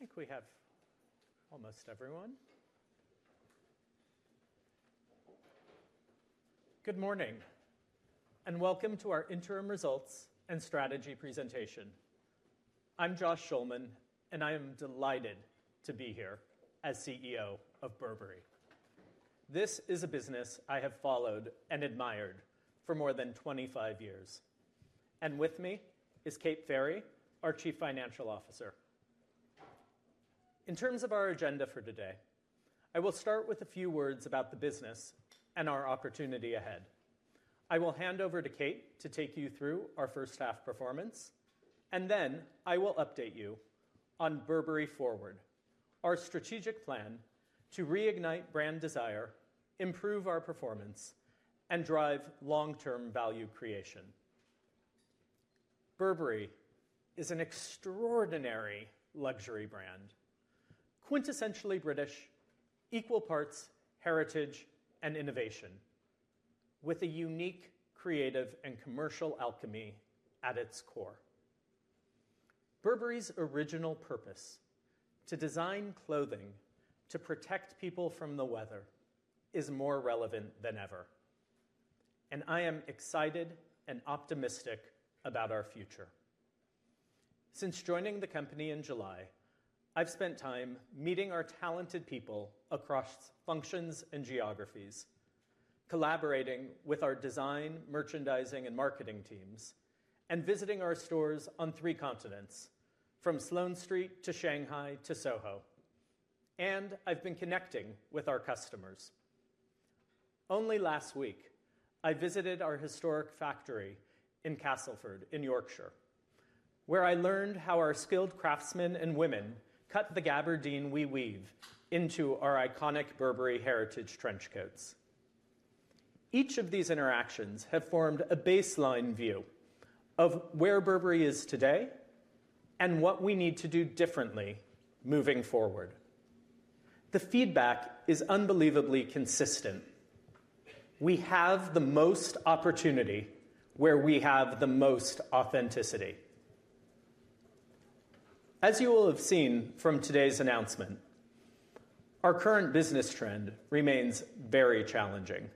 I think we have almost everyone. Good morning and welcome to our interim results and strategy presentation. I'm Josh Schulman, and I am delighted to be here as CEO of Burberry. This is a business I have followed and admired for more than 25 years, and with me is Kate Ferry, our Chief Financial Officer. In terms of our agenda for today, I will start with a few words about the business and our opportunity ahead. I will hand over to Kate to take you through our first half performance, and then I will update you on Burberry Forward, our strategic plan to reignite brand desire, improve our performance, and drive long-term value creation. Burberry is an extraordinary luxury brand, quintessentially British, equal parts heritage and innovation, with a unique creative and commercial alchemy at its core. Burberry's original purpose to design clothing to protect people from the weather is more relevant than ever, and I am excited and optimistic about our future. Since joining the company in July, I've spent time meeting our talented people across functions and geographies, collaborating with our design, merchandising, and marketing teams, and visiting our stores on three continents, from Sloane Street to Shanghai to Soho, and I've been connecting with our customers. Only last week, I visited our historic factory in Castleford in Yorkshire, where I learned how our skilled craftsmen and women cut the gabardine we weave into our iconic Burberry heritage trench coats. Each of these interactions has formed a baseline view of where Burberry is today and what we need to do differently moving forward. The feedback is unbelievably consistent. We have the most opportunity where we have the most authenticity. As you will have seen from today's announcement, our current business trend remains very challenging.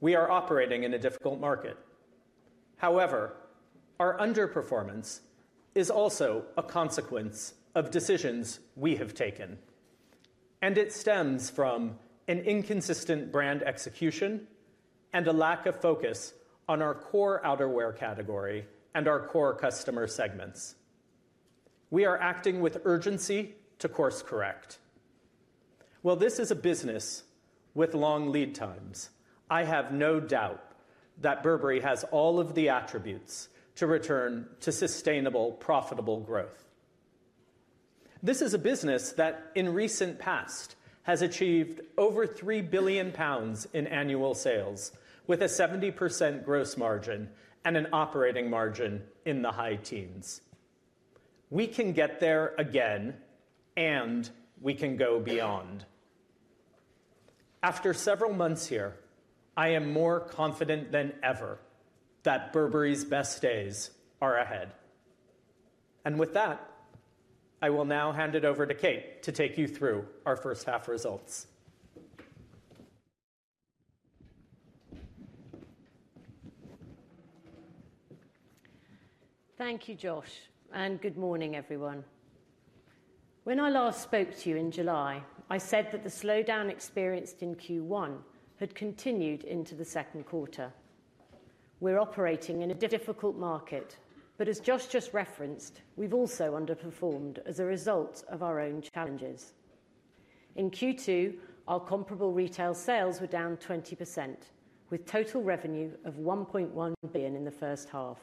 We are operating in a difficult market. However, our underperformance is also a consequence of decisions we have taken, and it stems from an inconsistent brand execution and a lack of focus on our core outerwear category and our core customer segments. We are acting with urgency to course correct. While this is a business with long lead times, I have no doubt that Burberry has all of the attributes to return to sustainable, profitable growth. This is a business that, in recent past, has achieved over 3 billion pounds in annual sales with a 70% gross margin and an operating margin in the high teens. We can get there again, and we can go beyond. After several months here, I am more confident than ever that Burberry's best days are ahead. And with that, I will now hand it over to Kate to take you through our first half results. Thank you, Josh, and good morning, everyone. When I last spoke to you in July, I said that the slowdown experienced in Q1 had continued into the second quarter. We're operating in a difficult market, but as Josh just referenced, we've also underperformed as a result of our own challenges. In Q2, our comparable retail sales were down 20%, with total revenue of 1.1 billion in the first half.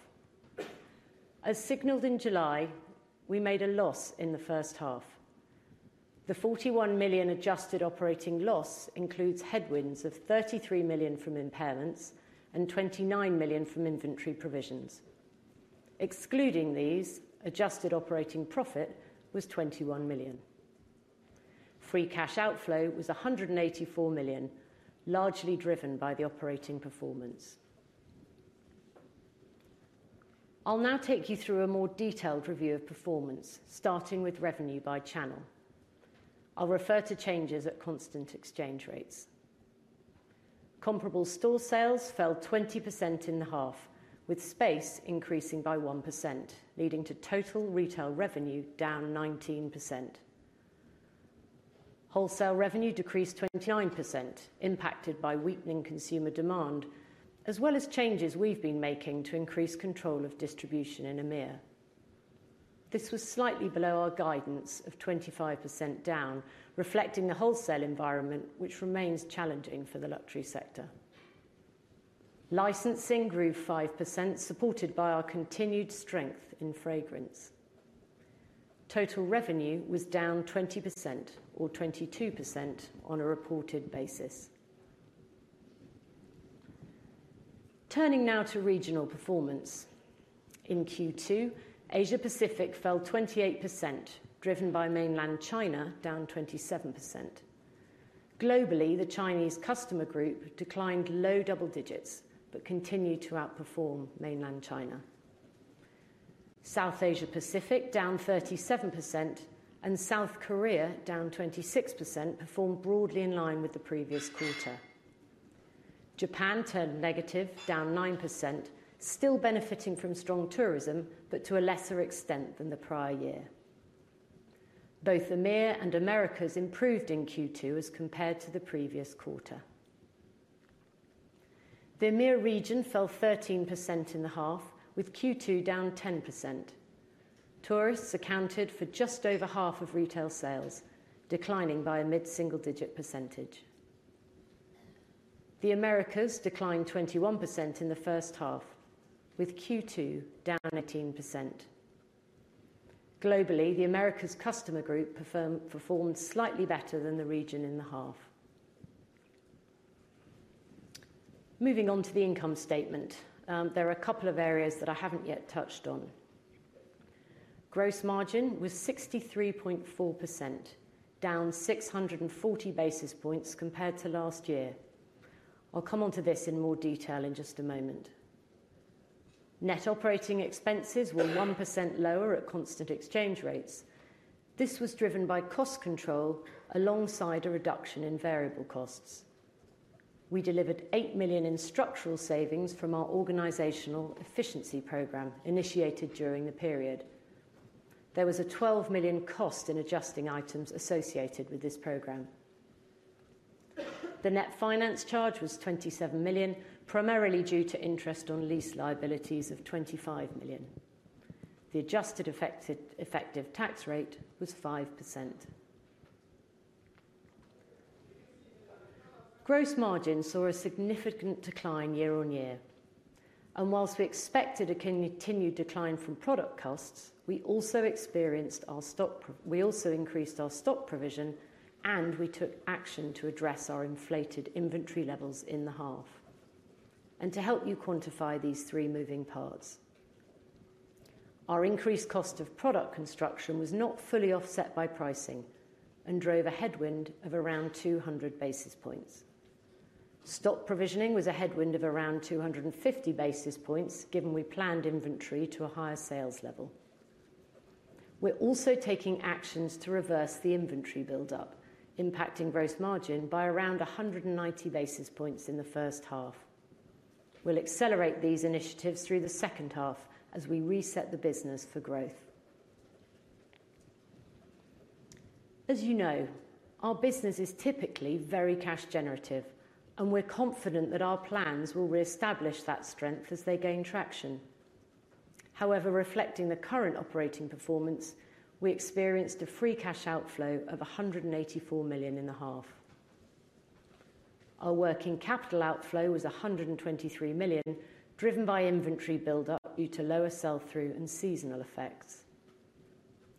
As signaled in July, we made a loss in the first half. The 41 million adjusted operating loss includes headwinds of 33 million from impairments and 29 million from inventory provisions. Excluding these, adjusted operating profit was 21 million. Free cash outflow was 184 million, largely driven by the operating performance. I'll now take you through a more detailed review of performance, starting with revenue by channel. I'll refer to changes at constant exchange rates. Comparable store sales fell 20% in the half, with space increasing by 1%, leading to total retail revenue down 19%. Wholesale revenue decreased 29%, impacted by weakening consumer demand, as well as changes we've been making to increase control of distribution in EMEA. This was slightly below our guidance of 25% down, reflecting the wholesale environment, which remains challenging for the luxury sector. Licensing grew 5%, supported by our continued strength in fragrance. Total revenue was down 20% or 22% on a reported basis. Turning now to regional performance. In Q2, Asia-Pacific fell 28%, driven by Mainland China, down 27%. Globally, the Chinese customer group declined low double digits but continued to outperform Mainland China. South Asia-Pacific down 37%, and South Korea down 26%, performed broadly in line with the previous quarter. Japan turned negative, down 9%, still benefiting from strong tourism, but to a lesser extent than the prior year. Both EMEA and Americas improved in Q2 as compared to the previous quarter. The EMEA region fell 13% in the half, with Q2 down 10%. Tourists accounted for just over half of retail sales, declining by a mid-single-digit percentage. The Americas declined 21% in the first half, with Q2 down 18%. Globally, the Americas customer group performed slightly better than the region in the half. Moving on to the income statement, there are a couple of areas that I haven't yet touched on. Gross margin was 63.4%, down 640 basis points compared to last year. I'll come on to this in more detail in just a moment. Net operating expenses were 1% lower at constant exchange rates. This was driven by cost control alongside a reduction in variable costs. We delivered 8 million in structural savings from our organizational efficiency program initiated during the period. There was a 12 million cost in adjusting items associated with this program. The net finance charge was 27 million, primarily due to interest on lease liabilities of 25 million. The adjusted effective tax rate was 5%. Gross margin saw a significant decline year on year, and whilst we expected a continued decline from product costs, we also increased our stock provision, and we took action to address our inflated inventory levels in the half, and to help you quantify these three moving parts, our increased cost of product construction was not fully offset by pricing and drove a headwind of around 200 basis points. Stock provisioning was a headwind of around 250 basis points, given we planned inventory to a higher sales level. We're also taking actions to reverse the inventory build-up, impacting gross margin by around 190 basis points in the first half. We'll accelerate these initiatives through the second half as we reset the business for growth. As you know, our business is typically very cash-generative, and we're confident that our plans will reestablish that strength as they gain traction. However, reflecting the current operating performance, we experienced a free cash outflow of 184 million in the half. Our working capital outflow was 123 million, driven by inventory build-up due to lower sell-through and seasonal effects.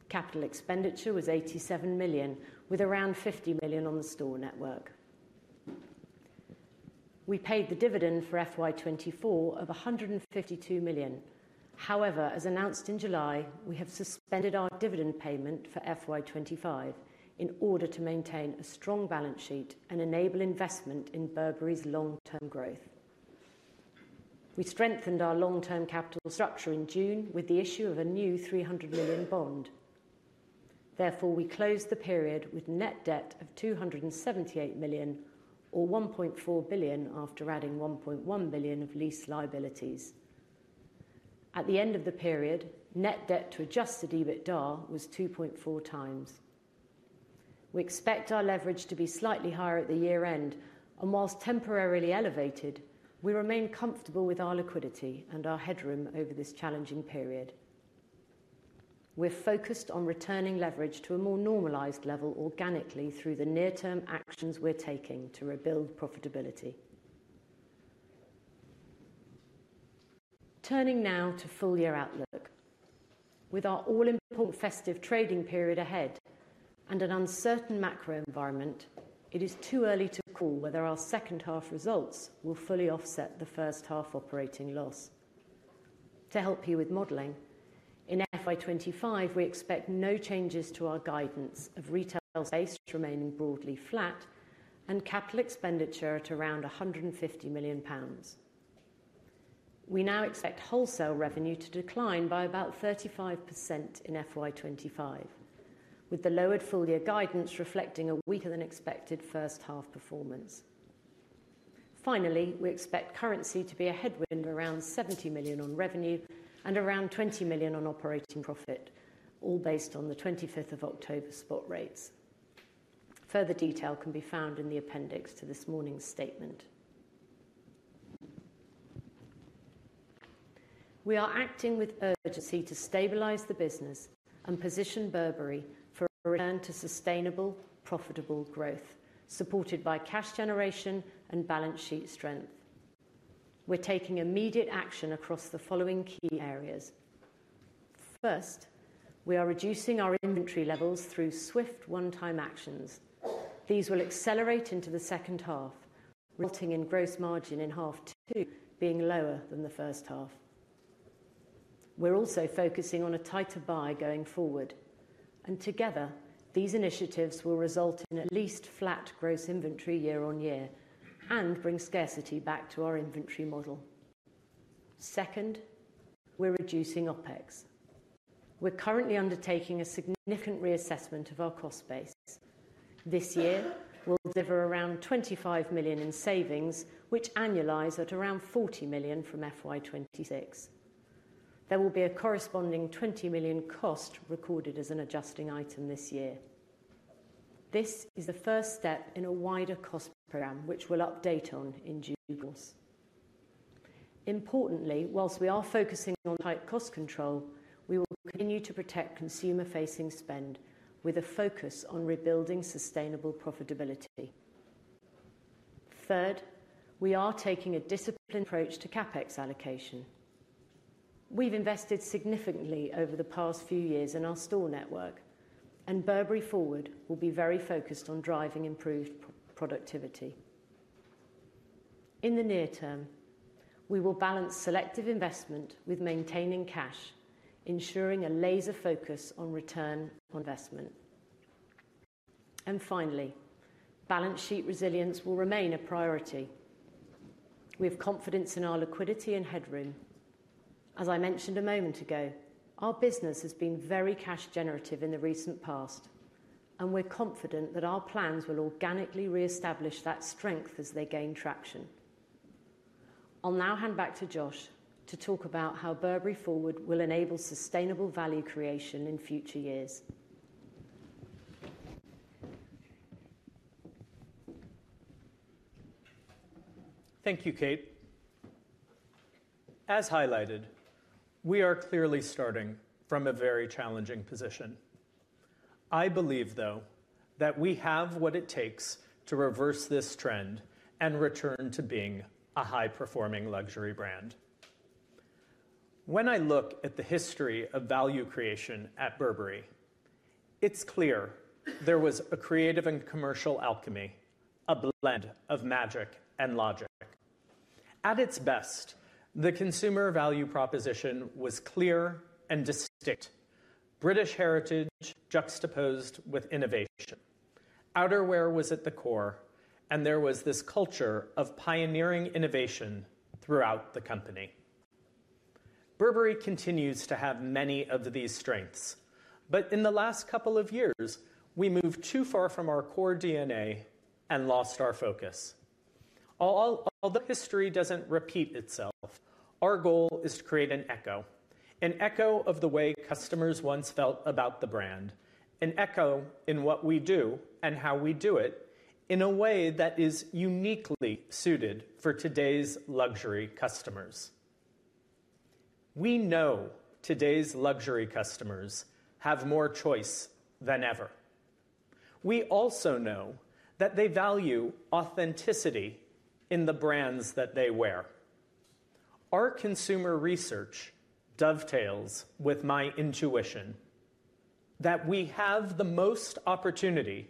Capital expenditure was 87 million, with around 50 million on the store network. We paid the dividend for FY 2024 of 152 million. However, as announced in July, we have suspended our dividend payment for FY 2025 in order to maintain a strong balance sheet and enable investment in Burberry's long-term growth. We strengthened our long-term capital structure in June with the issue of a new 300 million bond. Therefore, we closed the period with net debt of 278 million, or 1.4 billion after adding 1.1 billion of lease liabilities. At the end of the period, net debt to Adjusted EBITDA was 2.4x. We expect our leverage to be slightly higher at the year-end, and whilst temporarily elevated, we remain comfortable with our liquidity and our headroom over this challenging period. We're focused on returning leverage to a more normalized level organically through the near-term actions we're taking to rebuild profitability. Turning now to full-year outlook. With our all-important festive trading period ahead and an uncertain macro environment, it is too early to call whether our second half results will fully offset the first half operating loss. To help you with modeling, in FY 2025, we expect no changes to our guidance of retail sales, remaining broadly flat, and capital expenditure at around 150 million pounds. We now expect wholesale revenue to decline by about 35% in FY 2025, with the lowered full-year guidance reflecting a weaker-than-expected first half performance. Finally, we expect currency to be a headwind of around 70 million on revenue and around 20 million on operating profit, all based on the October 25th spot rates. Further detail can be found in the appendix to this morning's statement. We are acting with urgency to stabilize the business and position Burberry for a return to sustainable, profitable growth, supported by cash generation and balance sheet strength. We're taking immediate action across the following key areas. First, we are reducing our inventory levels through swift one-time actions. These will accelerate into the second half, resulting in gross margin in half two being lower than the first half. We're also focusing on a tighter buy going forward, and together, these initiatives will result in at least flat gross inventory year on year and bring scarcity back to our inventory model. Second, we're reducing OpEx. We're currently undertaking a significant reassessment of our cost base. This year, we'll deliver around 25 million in savings, which annualize at around 40 million from FY 2026. There will be a corresponding 20 million cost recorded as an adjusting item this year. This is the first step in a wider cost program, which we'll update on in due course. Importantly, whilst we are focusing on tight cost control, we will continue to protect consumer-facing spend with a focus on rebuilding sustainable profitability. Third, we are taking a disciplined approach to CapEx allocation. We've invested significantly over the past few years in our store network, and Burberry Forward will be very focused on driving improved productivity. In the near term, we will balance selective investment with maintaining cash, ensuring a laser focus on return on investment, and finally, balance sheet resilience will remain a priority. We have confidence in our liquidity and headroom. As I mentioned a moment ago, our business has been very cash-generative in the recent past, and we're confident that our plans will organically reestablish that strength as they gain traction. I'll now hand back to Josh to talk about how Burberry Forward will enable sustainable value creation in future years. Thank you, Kate. As highlighted, we are clearly starting from a very challenging position. I believe, though, that we have what it takes to reverse this trend and return to being a high-performing luxury brand. When I look at the history of value creation at Burberry, it's clear there was a creative and commercial alchemy, a blend of magic and logic. At its best, the consumer value proposition was clear and distinct: British heritage juxtaposed with innovation. Outerwear was at the core, and there was this culture of pioneering innovation throughout the company. Burberry continues to have many of these strengths, but in the last couple of years, we moved too far from our core DNA and lost our focus. Although history doesn't repeat itself, our goal is to create an echo, an echo of the way customers once felt about the brand, an echo in what we do and how we do it in a way that is uniquely suited for today's luxury customers. We know today's luxury customers have more choice than ever. We also know that they value authenticity in the brands that they wear. Our consumer research dovetails with my intuition that we have the most opportunity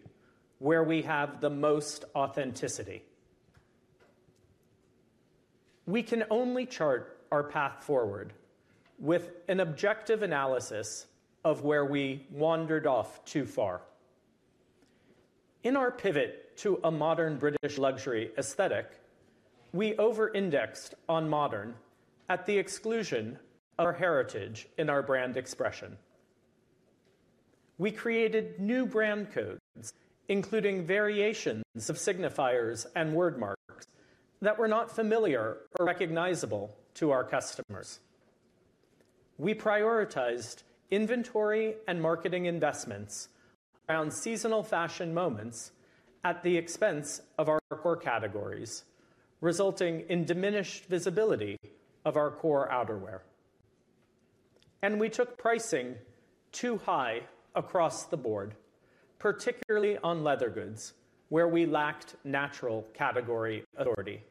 where we have the most authenticity. We can only chart our path forward with an objective analysis of where we wandered off too far. In our pivot to a modern British luxury aesthetic, we over-indexed on modern at the exclusion of heritage in our brand expression. We created new brand codes, including variations of signifiers and word marks that were not familiar or recognizable to our customers. We prioritized inventory and marketing investments around seasonal fashion moments at the expense of our core categories, resulting in diminished visibility of our core outerwear, and we took pricing too high across the board, particularly on leather goods, where we lacked natural category authority.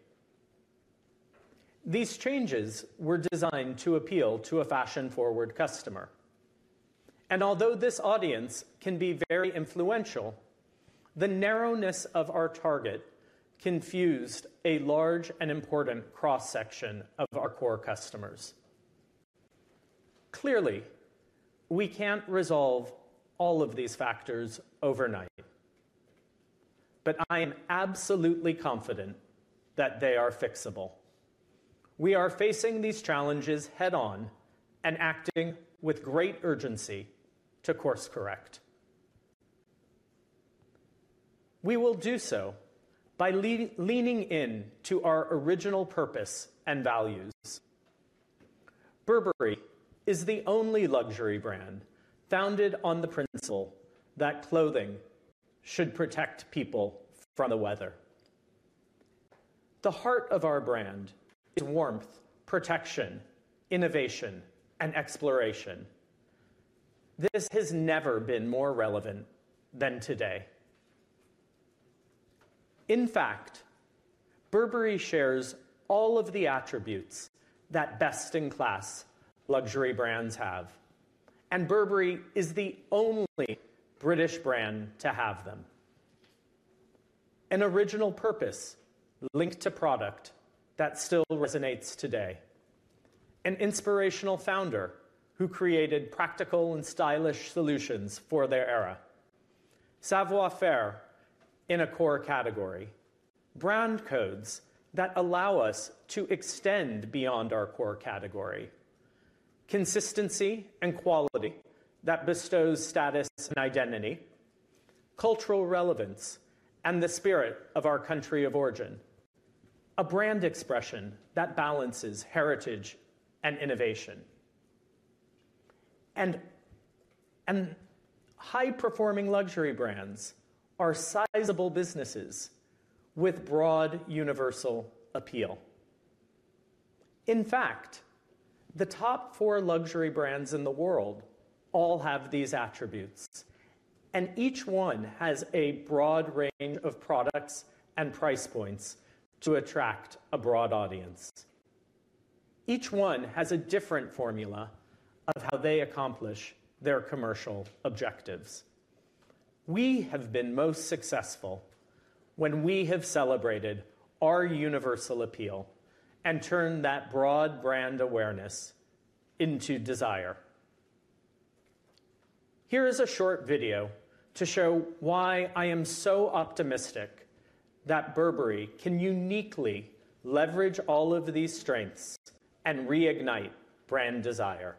These changes were designed to appeal to a fashion-forward customer, and although this audience can be very influential, the narrowness of our target confused a large and important cross-section of our core customers. Clearly, we can't resolve all of these factors overnight, but I am absolutely confident that they are fixable. We are facing these challenges head-on and acting with great urgency to course-correct. We will do so by leaning into our original purpose and values. Burberry is the only luxury brand founded on the principle that clothing should protect people from the weather. The heart of our brand is warmth, protection, innovation, and exploration. This has never been more relevant than today. In fact, Burberry shares all of the attributes that best-in-class luxury brands have, and Burberry is the only British brand to have them. An original purpose linked to product that still resonates today. An inspirational founder who created practical and stylish solutions for their era. Savoir-faire in a core category. Brand codes that allow us to extend beyond our core category. Consistency and quality that bestows status and identity. Cultural relevance and the spirit of our country of origin. A brand expression that balances heritage and innovation. And high-performing luxury brands are sizable businesses with broad universal appeal. In fact, the top four luxury brands in the world all have these attributes, and each one has a broad range of products and price points to attract a broad audience. Each one has a different formula of how they accomplish their commercial objectives. We have been most successful when we have celebrated our universal appeal and turned that broad brand awareness into desire. Here is a short video to show why I am so optimistic that Burberry can uniquely leverage all of these strengths and reignite brand desire.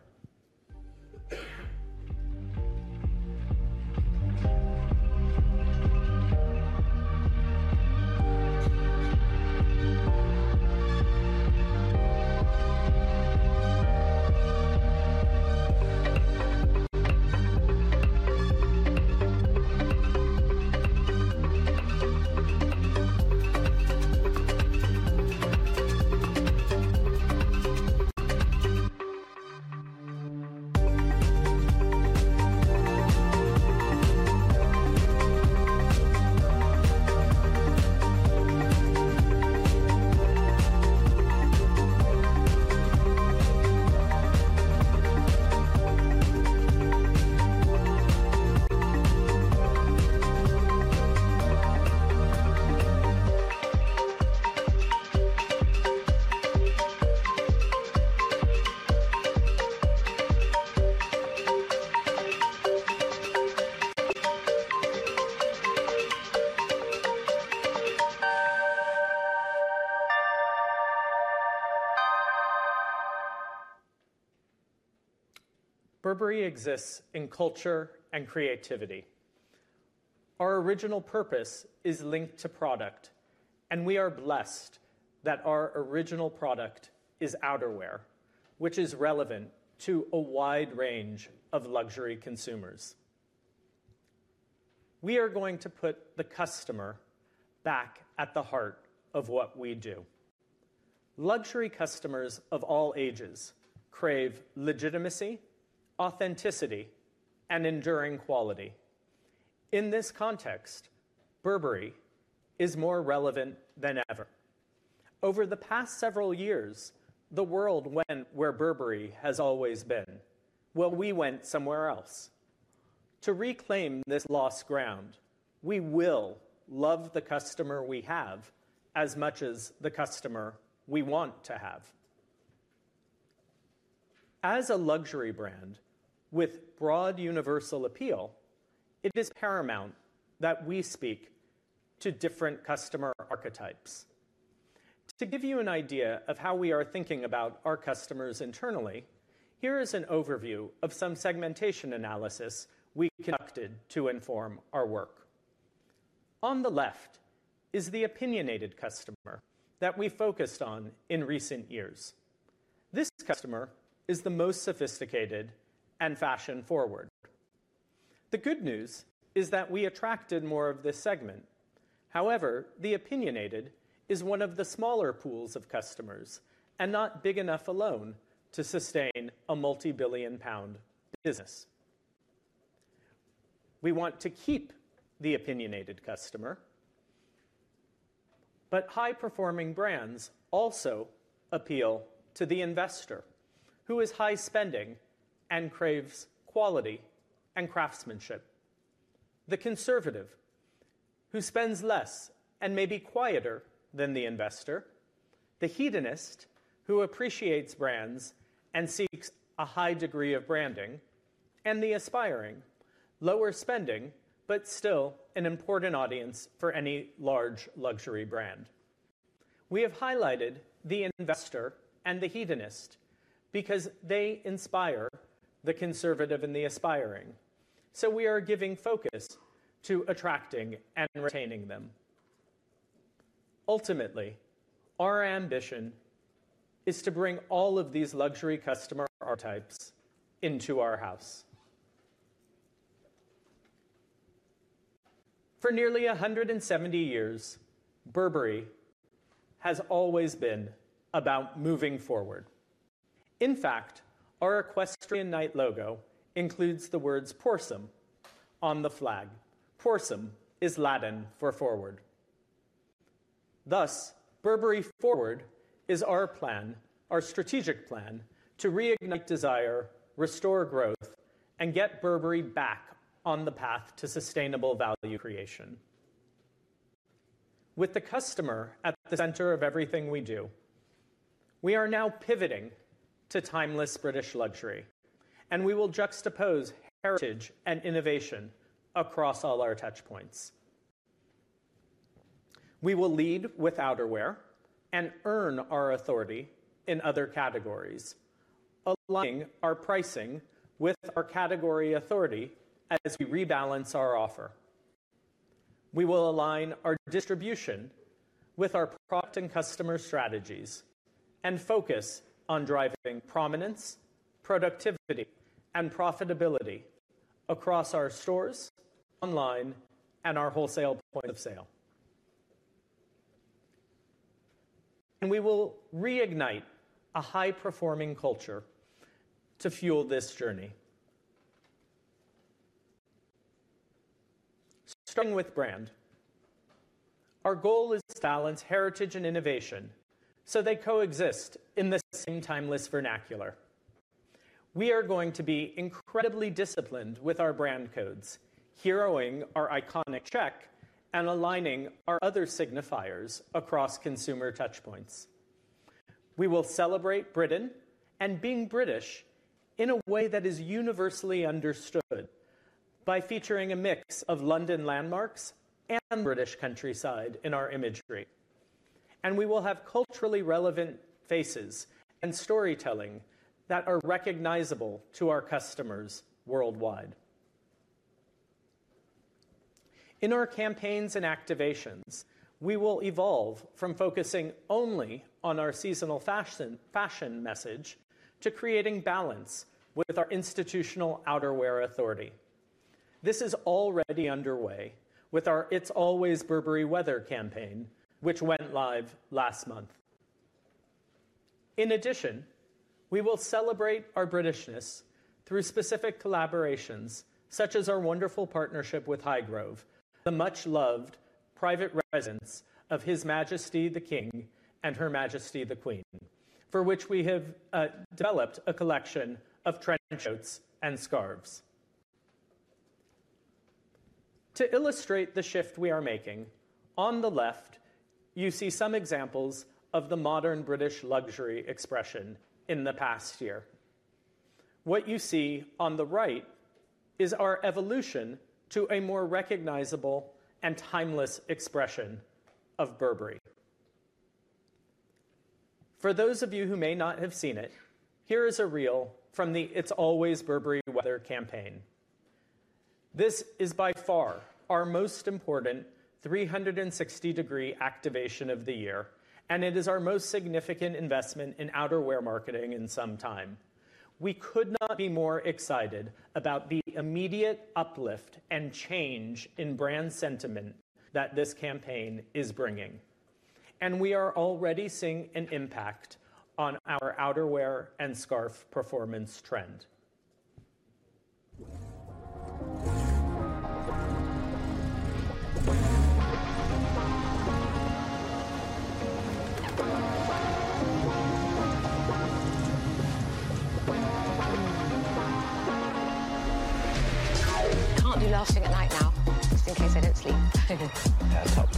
Burberry exists in culture and creativity. Our original purpose is linked to product, and we are blessed that our original product is outerwear, which is relevant to a wide range of luxury consumers. We are going to put the customer back at the heart of what we do. Luxury customers of all ages crave legitimacy, authenticity, and enduring quality. In this context, Burberry is more relevant than ever. Over the past several years, the world went where Burberry has always been, where we went somewhere else. To reclaim this lost ground, we will love the customer we have as much as the customer we want to have. As a luxury brand with broad universal appeal, it is paramount that we speak to different customer archetypes. To give you an idea of how we are thinking about our customers internally, here is an overview of some segmentation analysis we conducted to inform our work. On the left is the opinionated customer that we focused on in recent years. This customer is the most sophisticated and fashion-forward. The good news is that we attracted more of this segment. However, the opinionated is one of the smaller pools of customers and not big enough alone to sustain a multi-billion-pound business. We want to keep the opinionated customer, but high-performing brands also appeal to the investor, who is high-spending and craves quality and craftsmanship. The conservative, who spends less and may be quieter than the investor, the hedonist, who appreciates brands and seeks a high degree of branding, and the aspiring, lower-spending, but still an important audience for any large luxury brand. We have highlighted the investor and the hedonist because they inspire the conservative and the aspiring, so we are giving focus to attracting and retaining them. Ultimately, our ambition is to bring all of these luxury customer archetypes into our house. For nearly 170 years, Burberry has always been about moving forward. In fact, our equestrian knight logo includes the words "Prorsum" on the flag. Prorsum is Latin for forward. Thus, Burberry Forward is our plan, our strategic plan, to reignite desire, restore growth, and get Burberry back on the path to sustainable value creation. With the customer at the center of everything we do, we are now pivoting to timeless British luxury, and we will juxtapose heritage and innovation across all our touchpoints. We will lead with outerwear and earn our authority in other categories, aligning our pricing with our category authority as we rebalance our offer. We will align our distribution with our product and customer strategies and focus on driving prominence, productivity, and profitability across our stores, online, and our wholesale points of sale, and we will reignite a high-performing culture to fuel this journey. Starting with brand, our goal is to balance heritage and innovation so they coexist in the same timeless vernacular. We are going to be incredibly disciplined with our brand codes, heroing our iconic check and aligning our other signifiers across consumer touchpoints. We will celebrate Britain and being British in a way that is universally understood by featuring a mix of London landmarks and British countryside in our imagery. And we will have culturally relevant faces and storytelling that are recognizable to our customers worldwide. In our campaigns and activations, we will evolve from focusing only on our seasonal fashion message to creating balance with our institutional outerwear authority. This is already underway with our "It's Always Burberry Weather" campaign, which went live last month. In addition, we will celebrate our Britishness through specific collaborations, such as our wonderful partnership with Highgrove, the much-loved private residence of His Majesty the King and Her Majesty the Queen, for which we have developed a collection of trendy coats and scarves. To illustrate the shift we are making, on the left, you see some examples of the modern British luxury expression in the past year. What you see on the right is our evolution to a more recognizable and timeless expression of Burberry. For those of you who may not have seen it, here is a reel from the "It's Always Burberry Weather" campaign. This is by far our most important 360-degree activation of the year, and it is our most significant investment in outerwear marketing in some time. We could not be more excited about the immediate uplift and change in brand sentiment that this campaign is bringing, and we are already seeing an impact on our outerwear and scarf performance trend. Can't do last thing at night now, just in case I don't sleep. Yeah, top.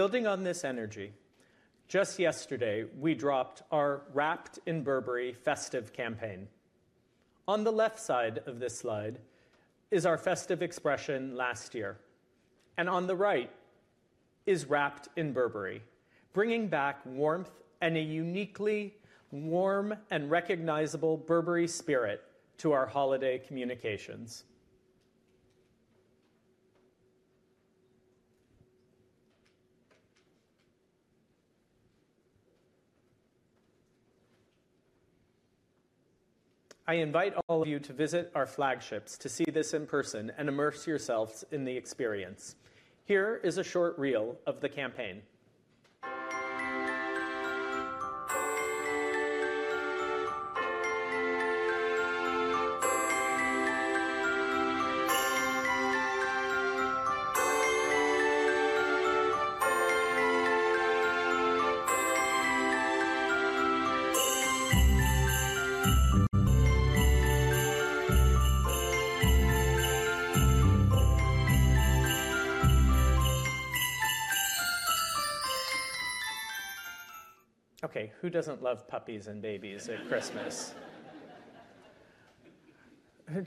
Building on this energy, just yesterday, we dropped our "Wrapped in Burberry" festive campaign. On the left side of this slide is our festive expression last year, and on the right is "Wrapped in Burberry," bringing back warmth and a uniquely warm and recognizable Burberry spirit to our holiday communications. I invite all of you to visit our flagships to see this in person and immerse yourselves in the experience. Here is a short reel of the campaign. Okay, who doesn't love puppies and babies at Christmas?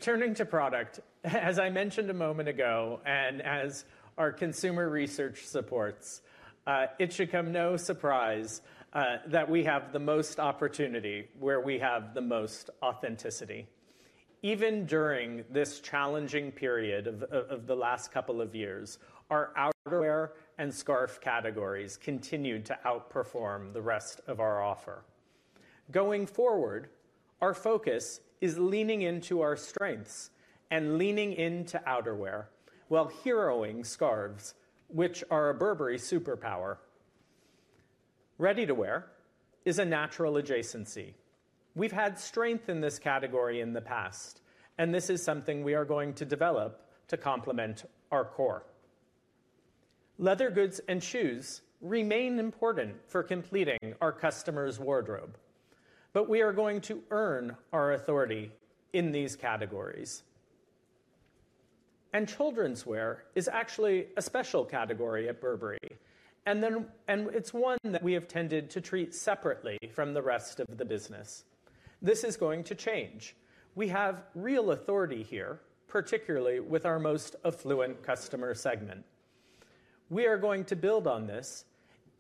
Turning to product, as I mentioned a moment ago and as our consumer research supports, it should come no surprise that we have the most opportunity where we have the most authenticity. Even during this challenging period of the last couple of years, our outerwear and scarf categories continued to outperform the rest of our offer. Going forward, our focus is leaning into our strengths and leaning into outerwear while heroing scarves, which are a Burberry superpower. Ready-to-wear is a natural adjacency. We've had strength in this category in the past, and this is something we are going to develop to complement our core. Leather goods and shoes remain important for completing our customer's wardrobe, but we are going to earn our authority in these categories, and childrenswear is actually a special category at Burberry, and it's one that we have tended to treat separately from the rest of the business. This is going to change. We have real authority here, particularly with our most affluent customer segment. We are going to build on this,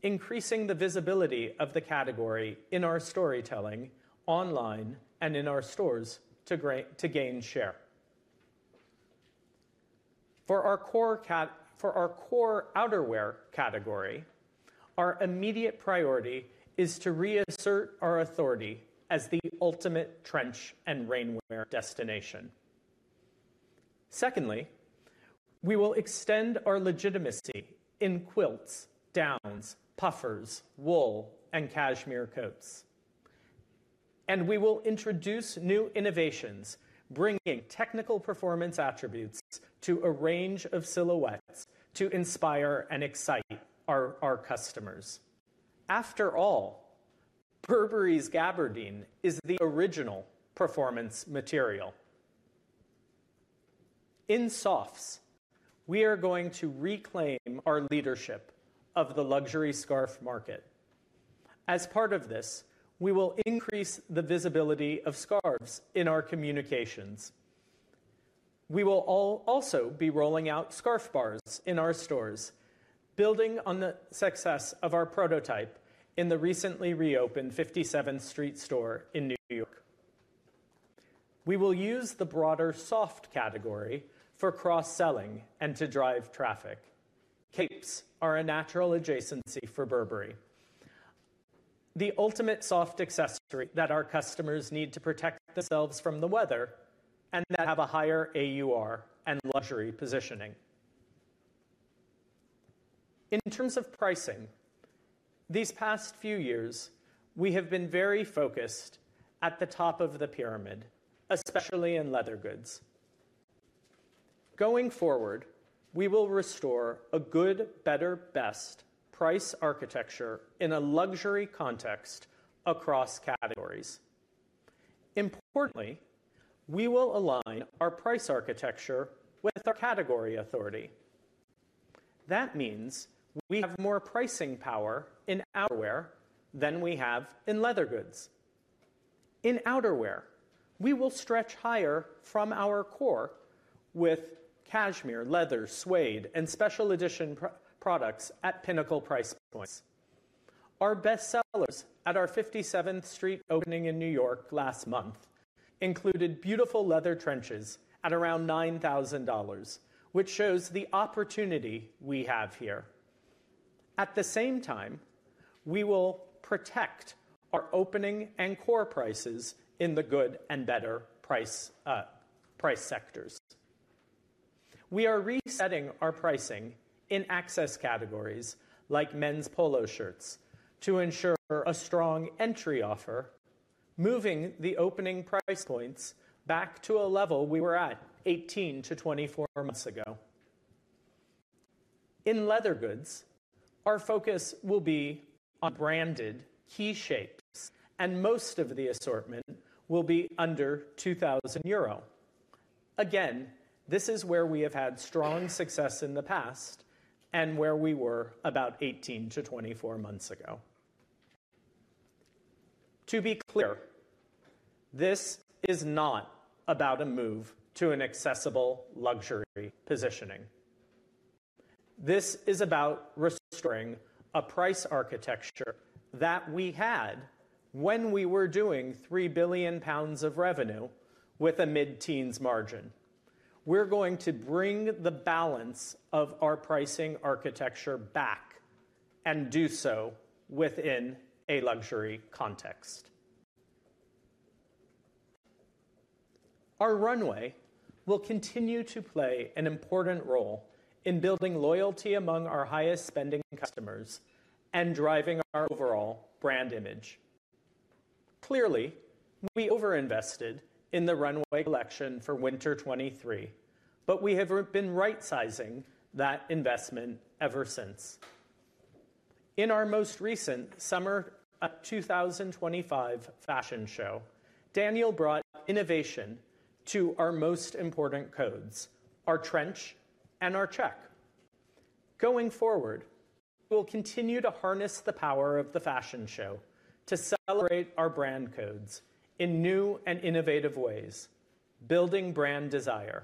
increasing the visibility of the category in our storytelling, online, and in our stores to gain share. For our core outerwear category, our immediate priority is to reassert our authority as the ultimate trench and rainwear destination. Secondly, we will extend our legitimacy in quilts, gowns, puffers, wool, and cashmere coats. We will introduce new innovations, bringing technical performance attributes to a range of silhouettes to inspire and excite our customers. After all, Burberry's gabardine is the original performance material. In softs, we are going to reclaim our leadership of the luxury scarf market. As part of this, we will increase the visibility of scarves in our communications. We will also be rolling out Scarf Bars in our stores, building on the success of our prototype in the recently reopened 57th Street store in New York. We will use the broader soft category for cross-selling and to drive traffic. Capes are a natural adjacency for Burberry. The ultimate soft accessory that our customers need to protect themselves from the weather and that have a higher AUR and luxury positioning. In terms of pricing, these past few years, we have been very focused at the top of the pyramid, especially in leather goods. Going forward, we will restore a good, better, best price architecture in a luxury context across categories. Importantly, we will align our price architecture with our category authority. That means we have more pricing power in outerwear than we have in leather goods. In outerwear, we will stretch higher from our core with cashmere, leather, suede, and special edition products at pinnacle price points. Our best sellers at our 57th Street opening in New York last month included beautiful leather trenches at around $9,000, which shows the opportunity we have here. At the same time, we will protect our opening and core prices in the good and better price sectors. We are resetting our pricing in access categories like men's polo shirts to ensure a strong entry offer, moving the opening price points back to a level we were at 18-24 months ago. In leather goods, our focus will be on branded key shapes, and most of the assortment will be under 2,000 euro. Again, this is where we have had strong success in the past and where we were about 18-24 months ago. To be clear, this is not about a move to an accessible luxury positioning. This is about restoring a price architecture that we had when we were doing 3 billion pounds of revenue with a mid-teens margin. We're going to bring the balance of our pricing architecture back and do so within a luxury context. Our runway will continue to play an important role in building loyalty among our highest-spending customers and driving our overall brand image. Clearly, we overinvested in the runway collection for winter 2023, but we have been right-sizing that investment ever since. In our most recent summer 2025 fashion show, le brought innovation to our most important codes, our trench and our check. Going forward, we will continue to harness the power of the fashion show to celebrate our brand codes in new and innovative ways, building brand desire.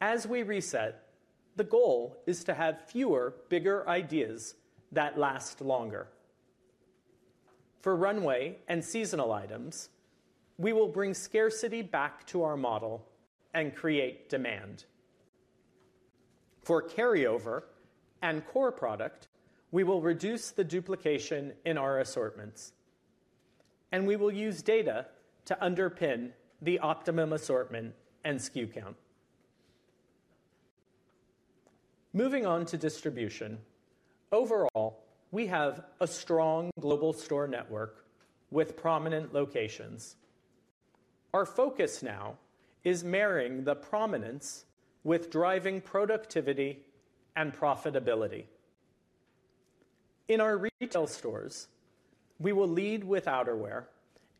As we reset, the goal is to have fewer bigger ideas that last longer. For runway and seasonal items, we will bring scarcity back to our model and create demand. For carryover and core product, we will reduce the duplication in our assortments, and we will use data to underpin the optimum assortment and SKU count. Moving on to distribution, overall, we have a strong global store network with prominent locations. Our focus now is marrying the prominence with driving productivity and profitability. In our retail stores, we will lead with outerwear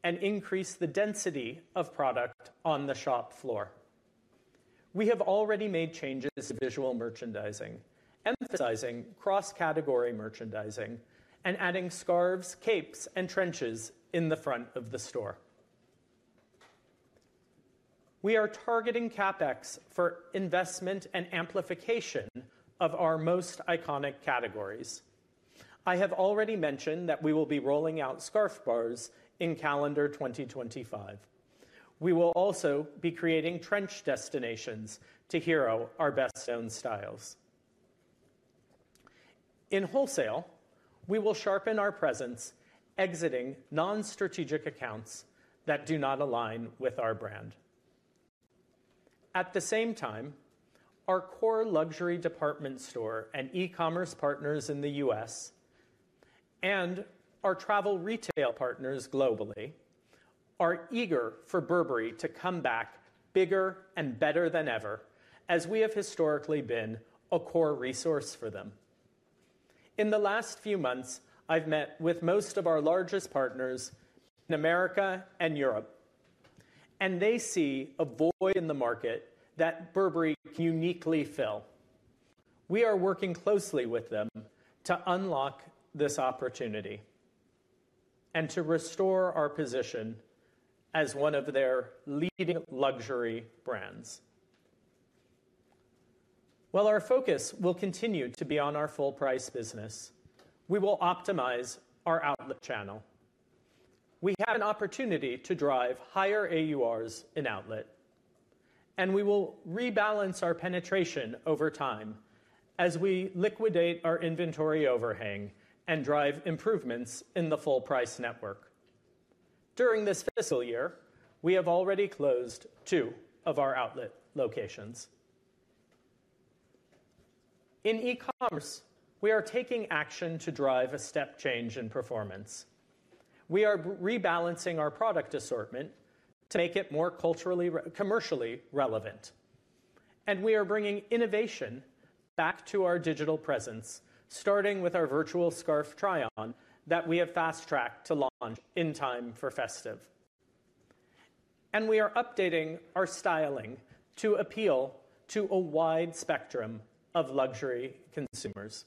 and increase the density of product on the shop floor. We have already made changes to visual merchandising, emphasizing cross-category merchandising and adding scarves, capes, and trenches in the front of the store. We are targeting CapEx for investment and amplification of our most iconic categories. I have already mentioned that we will be rolling out Scarf Bars in calendar 2025. We will also be creating trench destinations to hero our best-known styles. In wholesale, we will sharpen our presence, exiting non-strategic accounts that do not align with our brand. At the same time, our core luxury department store and e-commerce partners in the U.S. and our travel retail partners globally are eager for Burberry to come back bigger and better than ever, as we have historically been a core resource for them. In the last few months, I've met with most of our largest partners in America and Europe, and they see a void in the market that Burberry can uniquely fill. We are working closely with them to unlock this opportunity and to restore our position as one of their leading luxury brands. While our focus will continue to be on our full-price business, we will optimize our outlet channel. We have an opportunity to drive higher AURs in outlet, and we will rebalance our penetration over time as we liquidate our inventory overhang and drive improvements in the full-price network. During this fiscal year, we have already closed two of our outlet locations. In e-commerce, we are taking action to drive a step change in performance. We are rebalancing our product assortment to make it more culturally commercially relevant, and we are bringing innovation back to our digital presence, starting with our virtual scarf try-on that we have fast-tracked to launch in time for festive, and we are updating our styling to appeal to a wide spectrum of luxury consumers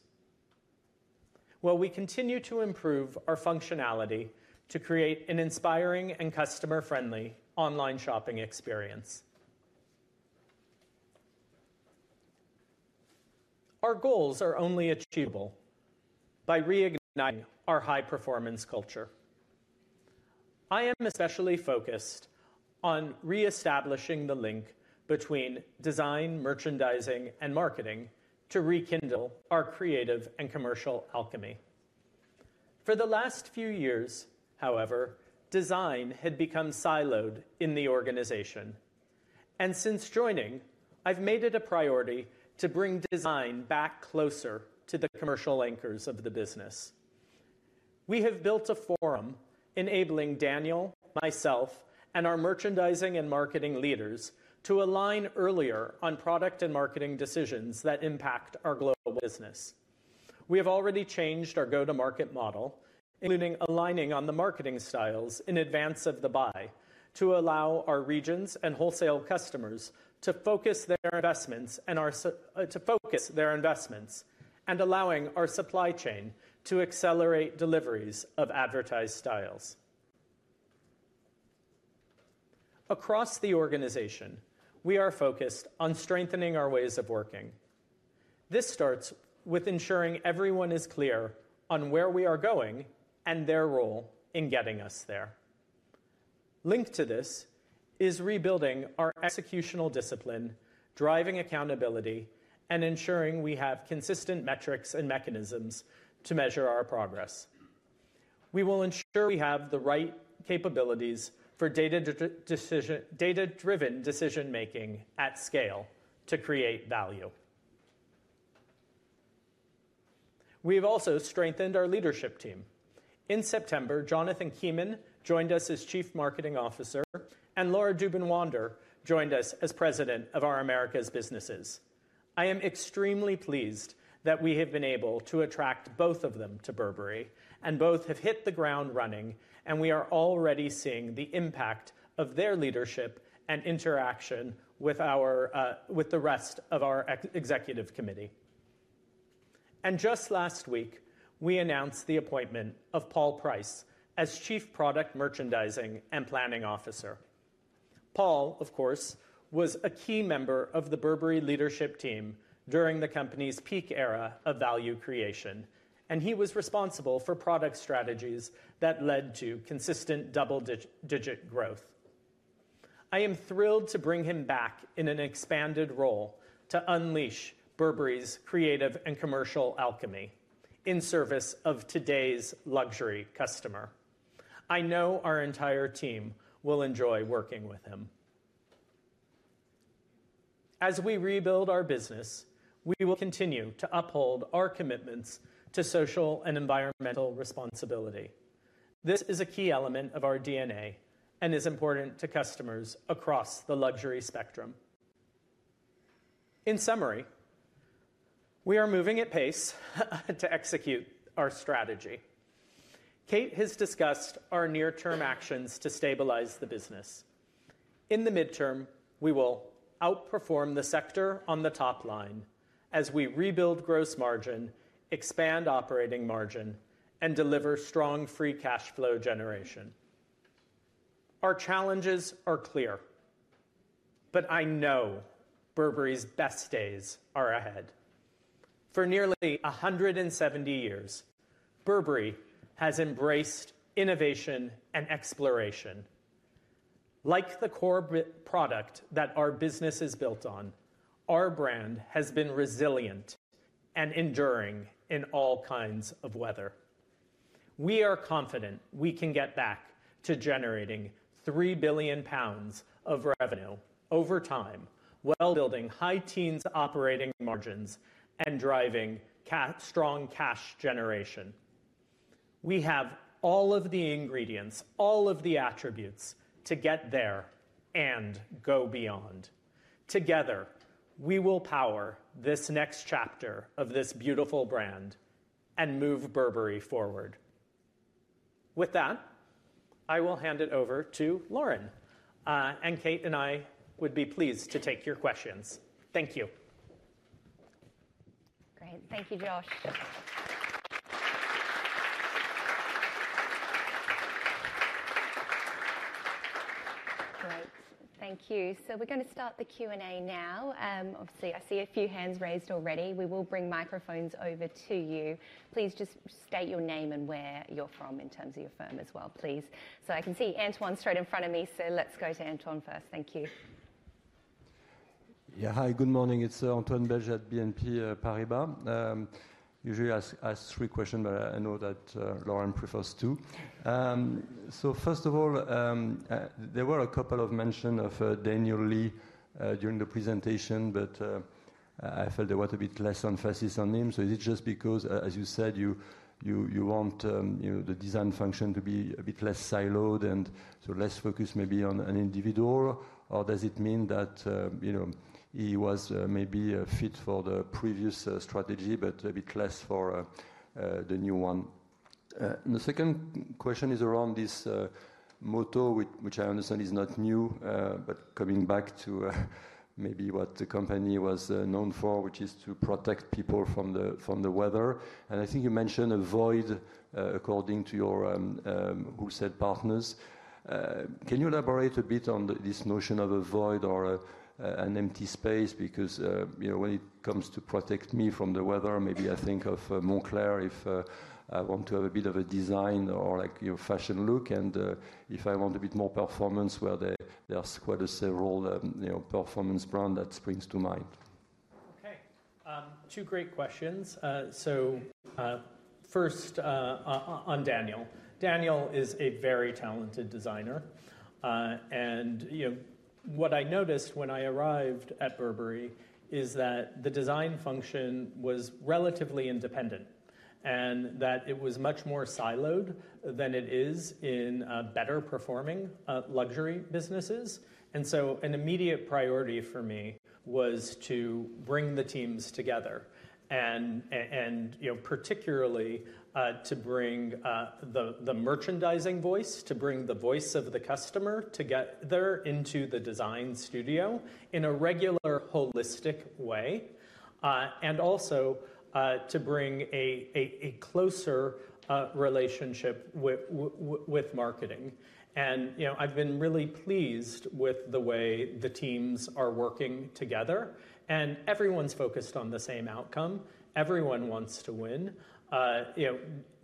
while we continue to improve our functionality to create an inspiring and customer-friendly online shopping experience. Our goals are only achievable by reigniting our high-performance culture. I am especially focused on reestablishing the link between design, merchandising, and marketing to rekindle our creative and commercial alchemy. For the last few years, however, design had become siloed in the organization, and since joining, I've made it a priority to bring design back closer to the commercial anchors of the business. We have built a forum enabling Daniel, myself, and our merchandising and marketing leaders to align earlier on product and marketing decisions that impact our global business. We have already changed our go-to-market model, including aligning on the marketing styles in advance of the buy to allow our regions and wholesale customers to focus their investments and allowing our supply chain to accelerate deliveries of advertised styles. Across the organization, we are focused on strengthening our ways of working. This starts with ensuring everyone is clear on where we are going and their role in getting us there. Linked to this is rebuilding our executional discipline, driving accountability, and ensuring we have consistent metrics and mechanisms to measure our progress. We will ensure we have the right capabilities for data-driven decision-making at scale to create value. We have also strengthened our leadership team. In September, Jonathan Kiman joined us as Chief Marketing Officer, and Laura Dubin-Wander joined us as President, Burberry Americas. I am extremely pleased that we have been able to attract both of them to Burberry, and both have hit the ground running, and we are already seeing the impact of their leadership and interaction with the rest of our executive committee, and just last week, we announced the appointment of Paul Price as Chief Product Merchandising and Planning Officer. Paul, of course, was a key member of the Burberry leadership team during the company's peak era of value creation, and he was responsible for product strategies that led to consistent double-digit growth. I am thrilled to bring him back in an expanded role to unleash Burberry's creative and commercial alchemy in service of today's luxury customer. I know our entire team will enjoy working with him. As we rebuild our business, we will continue to uphold our commitments to social and environmental responsibility. This is a key element of our DNA and is important to customers across the luxury spectrum. In summary, we are moving at pace to execute our strategy. Kate has discussed our near-term actions to stabilize the business. In the midterm, we will outperform the sector on the top line as we rebuild gross margin, expand operating margin, and deliver strong free cash flow generation. Our challenges are clear, but I know Burberry's best days are ahead. For nearly 170 years, Burberry has embraced innovation and exploration. Like the core product that our business is built on, our brand has been resilient and enduring in all kinds of weather. We are confident we can get back to generating 3 billion pounds of revenue over time while building high teens operating margins and driving strong cash generation. We have all of the ingredients, all of the attributes to get there and go beyond. Together, we will power this next chapter of this beautiful brand and move Burberry forward. With that, I will hand it over to Lauren, and Kate and I would be pleased to take your questions. Thank you. Great. Thank you, Josh. Great. Thank you. So we're going to start the Q&A now. Obviously, I see a few hands raised already. We will bring microphones over to you. Please just state your name and where you're from in terms of your firm as well, please. So I can see Antoine straight in front of me, so let's go to Antoine first. Thank you. Yeah, hi, good morning. It's Antoine Belge at BNP Paribas. Usually, I ask three questions, but I know that Laura prefers two. So first of all, there were a couple of mentions of Daniel Lee during the presentation, but I felt there was a bit less emphasis on him. So is it just because, as you said, you want the design function to be a bit less siloed and so less focused maybe on an individual? Or does it mean that he was maybe fit for the previous strategy, but a bit less for the new one? The second question is around this motto, which I understand is not new, but coming back to maybe what the company was known for, which is to protect people from the weather. And I think you mentioned a void according to your wholesale partners. Can you elaborate a bit on this notion of a void or an empty space? Because when it comes to protect me from the weather, maybe I think of Moncler if I want to have a bit of a design or fashion look. And if I want a bit more performance, well, there are quite several performance brands that spring to mind. Okay. Two great questions. So first on Daniel. Daniel is a very talented designer. And what I noticed when I arrived at Burberry is that the design function was relatively independent and that it was much more siloed than it is in better-performing luxury businesses. And so an immediate priority for me was to bring the teams together and particularly to bring the merchandising voice, to bring the voice of the customer together into the design studio in a regular, holistic way, and also to bring a closer relationship with marketing. And I've been really pleased with the way the teams are working together. And everyone's focused on the same outcome. Everyone wants to win.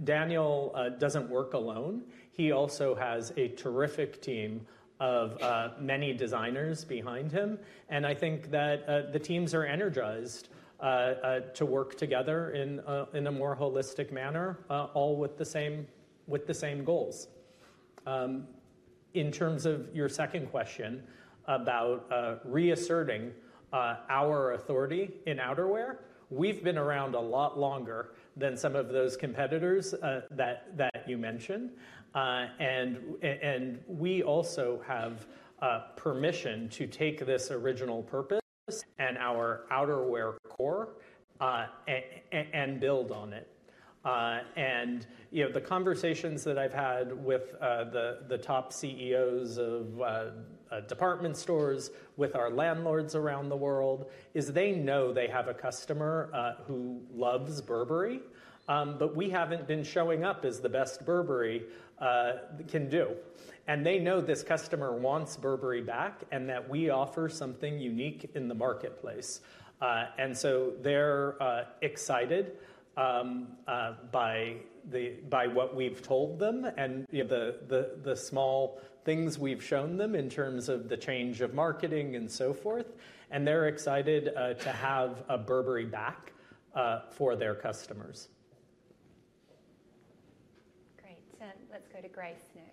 Daniel doesn't work alone. He also has a terrific team of many designers behind him. I think that the teams are energized to work together in a more holistic manner, all with the same goals. In terms of your second question about reasserting our authority in outerwear, we've been around a lot longer than some of those competitors that you mentioned. And we also have permission to take this original purpose and our outerwear core and build on it. And the conversations that I've had with the top CEOs of department stores, with our landlords around the world, is they know they have a customer who loves Burberry, but we haven't been showing up as the best Burberry can do. And they know this customer wants Burberry back and that we offer something unique in the marketplace. And so they're excited by what we've told them and the small things we've shown them in terms of the change of marketing and so forth. They're excited to have a Burberry back for their customers. Great. So let's go to Grace next.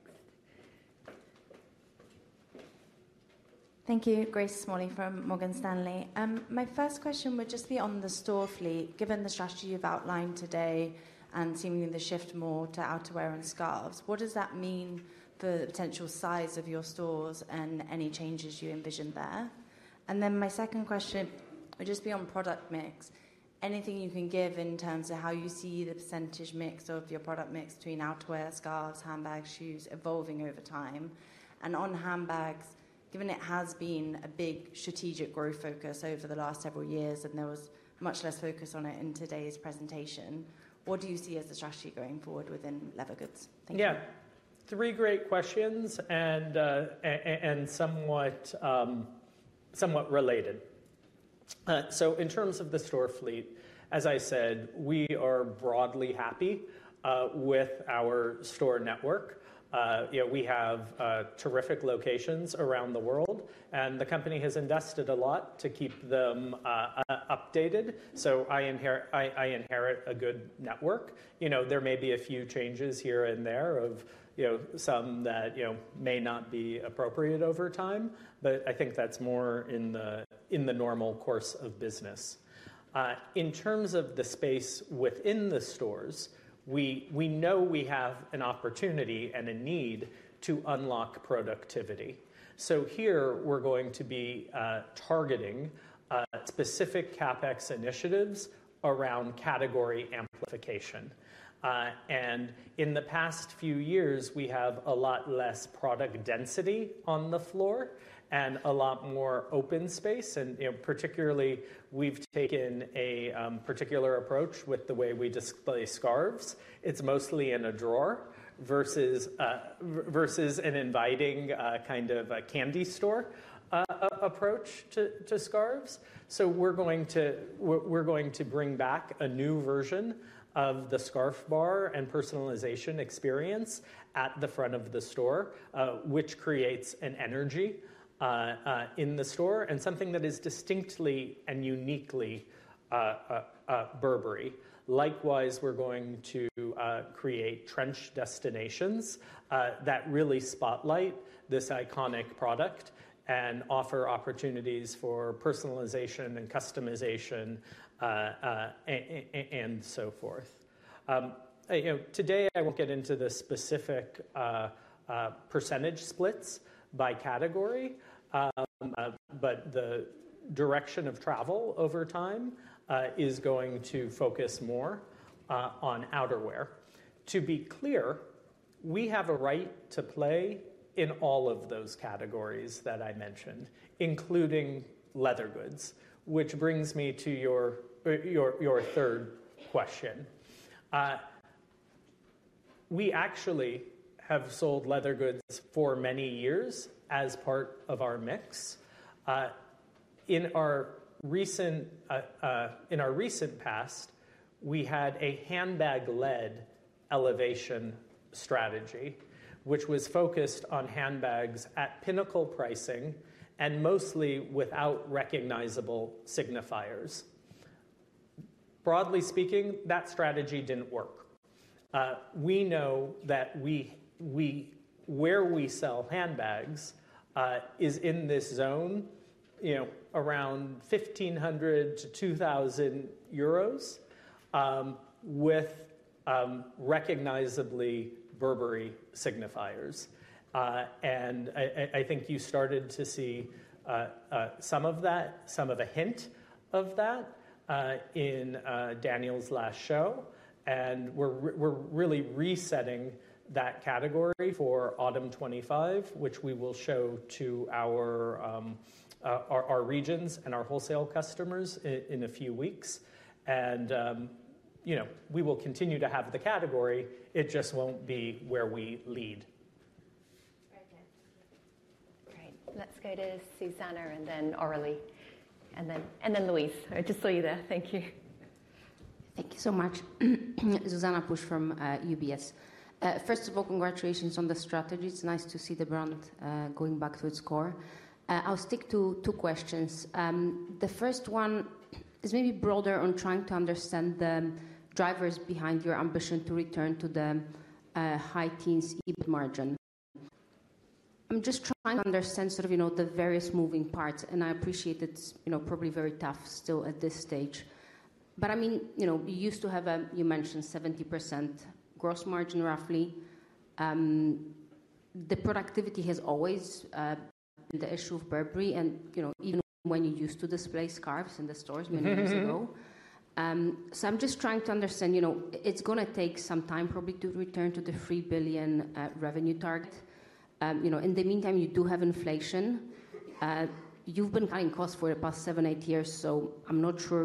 Thank you. Grace Smalley from Morgan Stanley. My first question would just be on the store fleet. Given the strategy you've outlined today and seemingly the shift more to outerwear and scarves, what does that mean for the potential size of your stores and any changes you envision there? And then my second question would just be on product mix. Anything you can give in terms of how you see the percentage mix of your product mix between outerwear, scarves, handbags, shoes evolving over time? And on handbags, given it has been a big strategic growth focus over the last several years and there was much less focus on it in today's presentation, what do you see as the strategy going forward within leather goods? Thank you. Yeah. Three great questions and somewhat related. So in terms of the store fleet, as I said, we are broadly happy with our store network. We have terrific locations around the world, and the company has invested a lot to keep them updated. So I inherit a good network. There may be a few changes here and there of some that may not be appropriate over time, but I think that's more in the normal course of business. In terms of the space within the stores, we know we have an opportunity and a need to unlock productivity. So here, we're going to be targeting specific CapEx initiatives around category amplification. And in the past few years, we have a lot less product density on the floor and a lot more open space. And particularly, we've taken a particular approach with the way we display scarves. It's mostly in a drawer versus an inviting kind of a candy store approach to scarves. So we're going to bring back a new version of the Scarf Bar and personalization experience at the front of the store, which creates an energy in the store and something that is distinctly and uniquely Burberry. Likewise, we're going to create trench destinations that really spotlight this iconic product and offer opportunities for personalization and customization and so forth. Today, I won't get into the specific percentage splits by category, but the direction of travel over time is going to focus more on outerwear. To be clear, we have a right to play in all of those categories that I mentioned, including leather goods, which brings me to your third question. We actually have sold leather goods for many years as part of our mix. In our recent past, we had a handbag-led elevation strategy, which was focused on handbags at pinnacle pricing and mostly without recognizable signifiers. Broadly speaking, that strategy didn't work. We know that where we sell handbags is in this zone around 1,500-2,000 euros with recognizably Burberry signifiers. And I think you started to see some of that, some of a hint of that in Daniel's last show. And we're really resetting that category for Autumn 2025, which we will show to our regions and our wholesale customers in a few weeks. And we will continue to have the category. It just won't be where we lead. Great. Let's go to Zuzanna and then Aurelie and then Louise. I just saw you there. Thank you. Thank you so much. Zuzanna Pusz from UBS. First of all, congratulations on the strategy. It's nice to see the brand going back to its core. I'll stick to two questions. The first one is maybe broader on trying to understand the drivers behind your ambition to return to the high teens EBIT margin. I'm just trying to understand sort of the various moving parts. And I appreciate it's probably very tough still at this stage. But I mean, you used to have a, you mentioned 70% gross margin roughly. The productivity has always been the issue of Burberry and even when you used to display scarves in the stores many years ago. So I'm just trying to understand. It's going to take some time probably to return to the 3 billion revenue target. In the meantime, you do have inflation. You've been cutting costs for the past seven, eight years, so I'm not sure.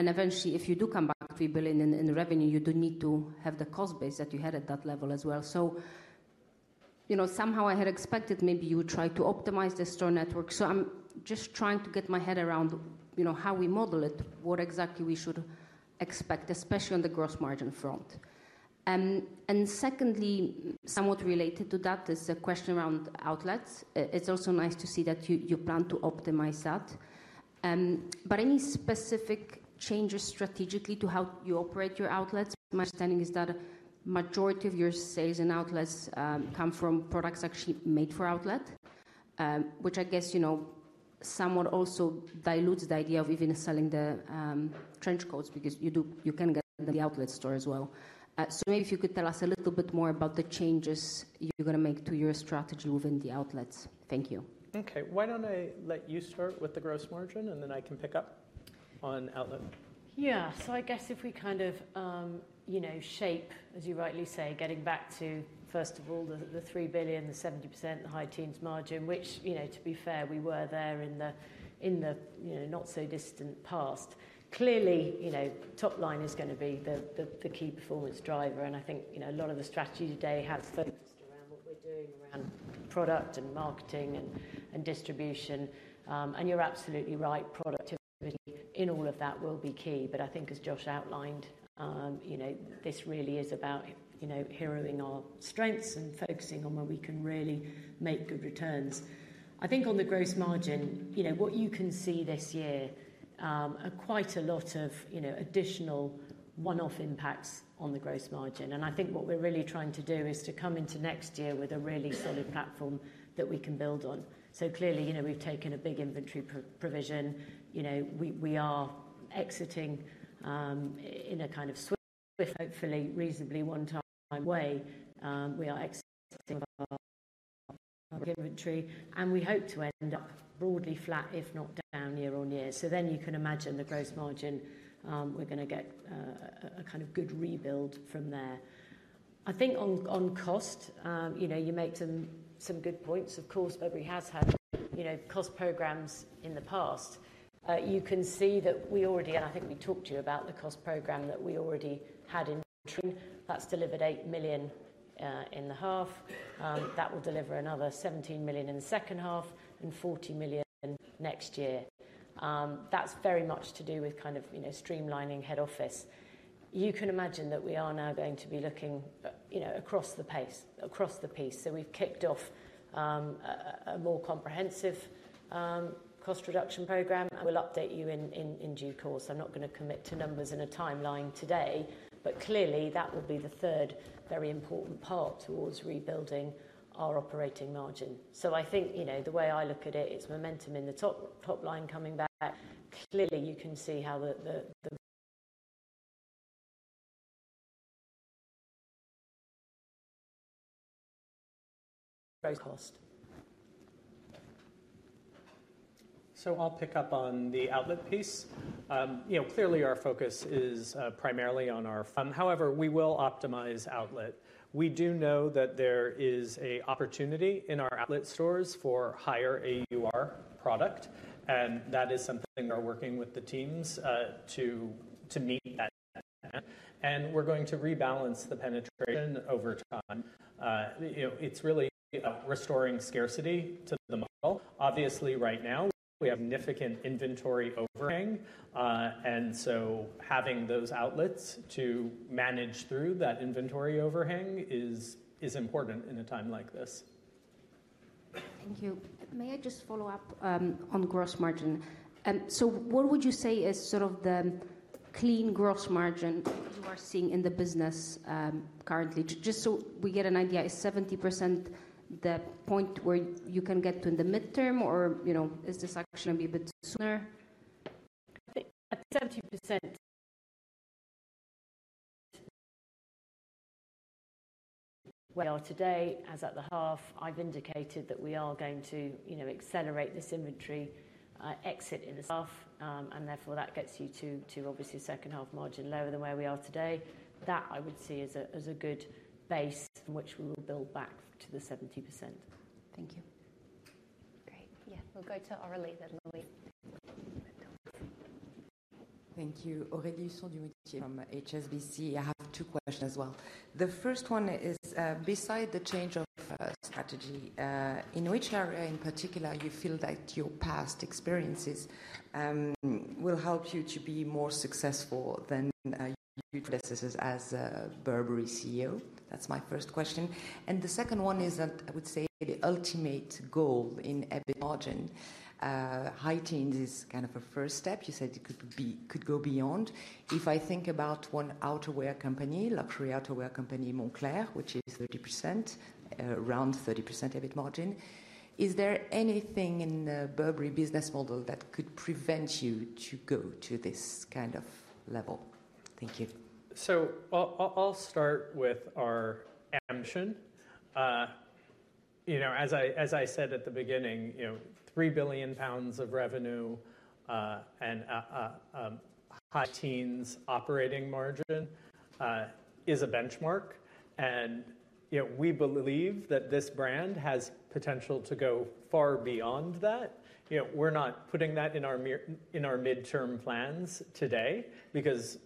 And eventually, if you do come back to 3 billion in revenue, you do need to have the cost base that you had at that level as well. So somehow I had expected maybe you would try to optimize the store network. So I'm just trying to get my head around how we model it, what exactly we should expect, especially on the gross margin front. And secondly, somewhat related to that is the question around outlets. It's also nice to see that you plan to optimize that. But any specific changes strategically to how you operate your outlets? My understanding is that the majority of your sales in outlets come from products actually made for outlet, which I guess somewhat also dilutes the idea of even selling the trench coats because you can get them in the outlet store as well. So maybe if you could tell us a little bit more about the changes you're going to make to your strategy within the outlets. Thank you. Okay. Why don't I let you start with the gross margin and then I can pick up on outlet? Yeah. So I guess if we kind of shape, as you rightly say, getting back to, first of all, the 3 billion, the 70%, the high teens margin, which to be fair, we were there in the not-so-distant past. Clearly, top line is going to be the key performance driver. And I think a lot of the strategy today has focused around what we're doing around product and marketing and distribution. And you're absolutely right. Productivity in all of that will be key. But I think as Josh outlined, this really is about heroing our strengths and focusing on where we can really make good returns. I think on the gross margin, what you can see this year are quite a lot of additional one-off impacts on the gross margin. I think what we're really trying to do is to come into next year with a really solid platform that we can build on. So clearly, we've taken a big inventory provision. We are exiting in a kind of swift, hopefully reasonably one-time way. We are exiting our inventory. And we hope to end up broadly flat, if not down year on year. So then you can imagine the gross margin, we're going to get a kind of good rebuild from there. I think on cost, you make some good points. Of course, Burberry has had cost programs in the past. You can see that we already, and I think we talked to you about the cost program that we already had in March. That's delivered 8 million in the half. That will deliver another 17 million in the second half and 40 million next year. That's very much to do with kind of streamlining head office. You can imagine that we are now going to be looking across the piece. So we've kicked off a more comprehensive cost reduction program. We'll update you in due course. I'm not going to commit to numbers in a timeline today, but clearly, that will be the third very important part towards rebuilding our operating margin. So I think the way I look at it, it's momentum in the top line coming back. Clearly, you can see how the gross cost. So I'll pick up on the outlet piece. Clearly, our focus is primarily on our. However, we will optimize outlet. We do know that there is an opportunity in our outlet stores for higher AUR product. And that is something we're working with the teams to meet that. And we're going to rebalance the penetration over time. It's really restoring scarcity to the model. Obviously, right now, we have significant inventory overhang. And so having those outlets to manage through that inventory overhang is important in a time like this. Thank you. May I just follow up on gross margin? So what would you say is sort of the clean gross margin you are seeing in the business currently? Just so we get an idea, is 70% the point where you can get to in the midterm or is this actually going to be a bit sooner? I think at 70%. We are today, as at the half. I've indicated that we are going to accelerate this inventory exit in the half, and therefore, that gets you to obviously second half margin lower than where we are today. That I would see as a good base from which we will build back to the 70%. Thank you. Great. Yeah. We'll go to Aurelie then Louise. Thank you. Aurelie Husson-Dumoutier from HSBC. I have two questions as well. The first one is, beside the change of strategy, in which area in particular you feel that your past experiences will help you to be more successful than you do as a Burberry CEO? That's my first question. And the second one is that I would say the ultimate goal in EBIT margin, high teens is kind of a first step. You said it could go beyond. If I think about one outerwear company, luxury outerwear company Moncler, which is 30%, around 30% EBIT margin, is there anything in the Burberry business model that could prevent you to go to this kind of level? Thank you. I'll start with our ambition. As I said at the beginning, 3 billion pounds of revenue and high teens operating margin is a benchmark. And we believe that this brand has potential to go far beyond that. We're not putting that in our midterm plans today because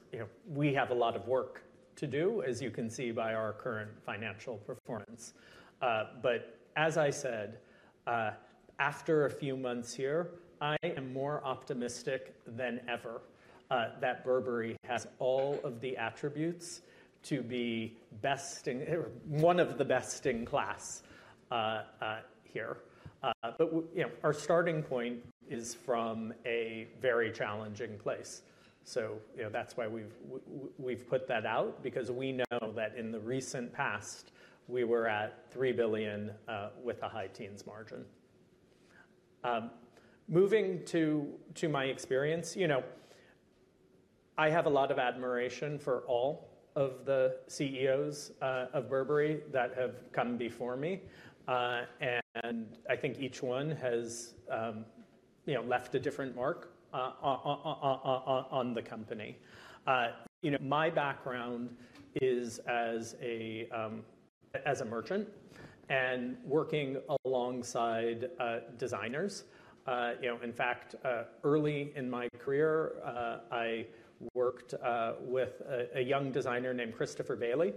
we have a lot of work to do, as you can see by our current financial performance. But as I said, after a few months here, I am more optimistic than ever that Burberry has all of the attributes to be best, one of the best in class here. But our starting point is from a very challenging place. So that's why we've put that out because we know that in the recent past, we were at 3 billion with a high teens margin. Moving to my experience, I have a lot of admiration for all of the CEOs of Burberry that have come before me. And I think each one has left a different mark on the company. My background is as a merchant and working alongside designers. In fact, early in my career, I worked with a young designer named Christopher Bailey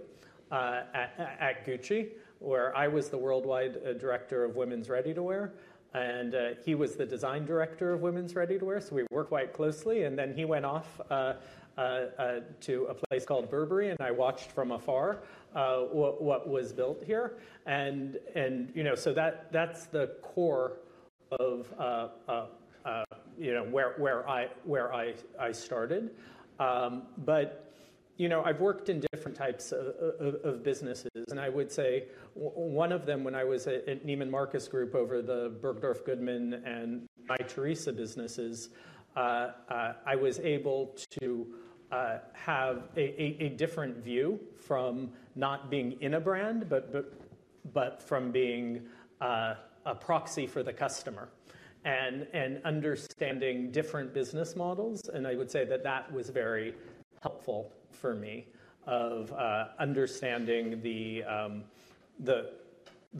at Gucci, where I was the worldwide director of women's ready-to-wear. And he was the design director of women's ready-to-wear. So we worked quite closely. And then he went off to a place called Burberry, and I watched from afar what was built here. And so that's the core of where I started. But I've worked in different types of businesses. And I would say one of them when I was at Neiman Marcus Group over the Bergdorf Goodman and Mytheresa businesses, I was able to have a different view from not being in a brand, but from being a proxy for the customer and understanding different business models. And I would say that that was very helpful for me of understanding the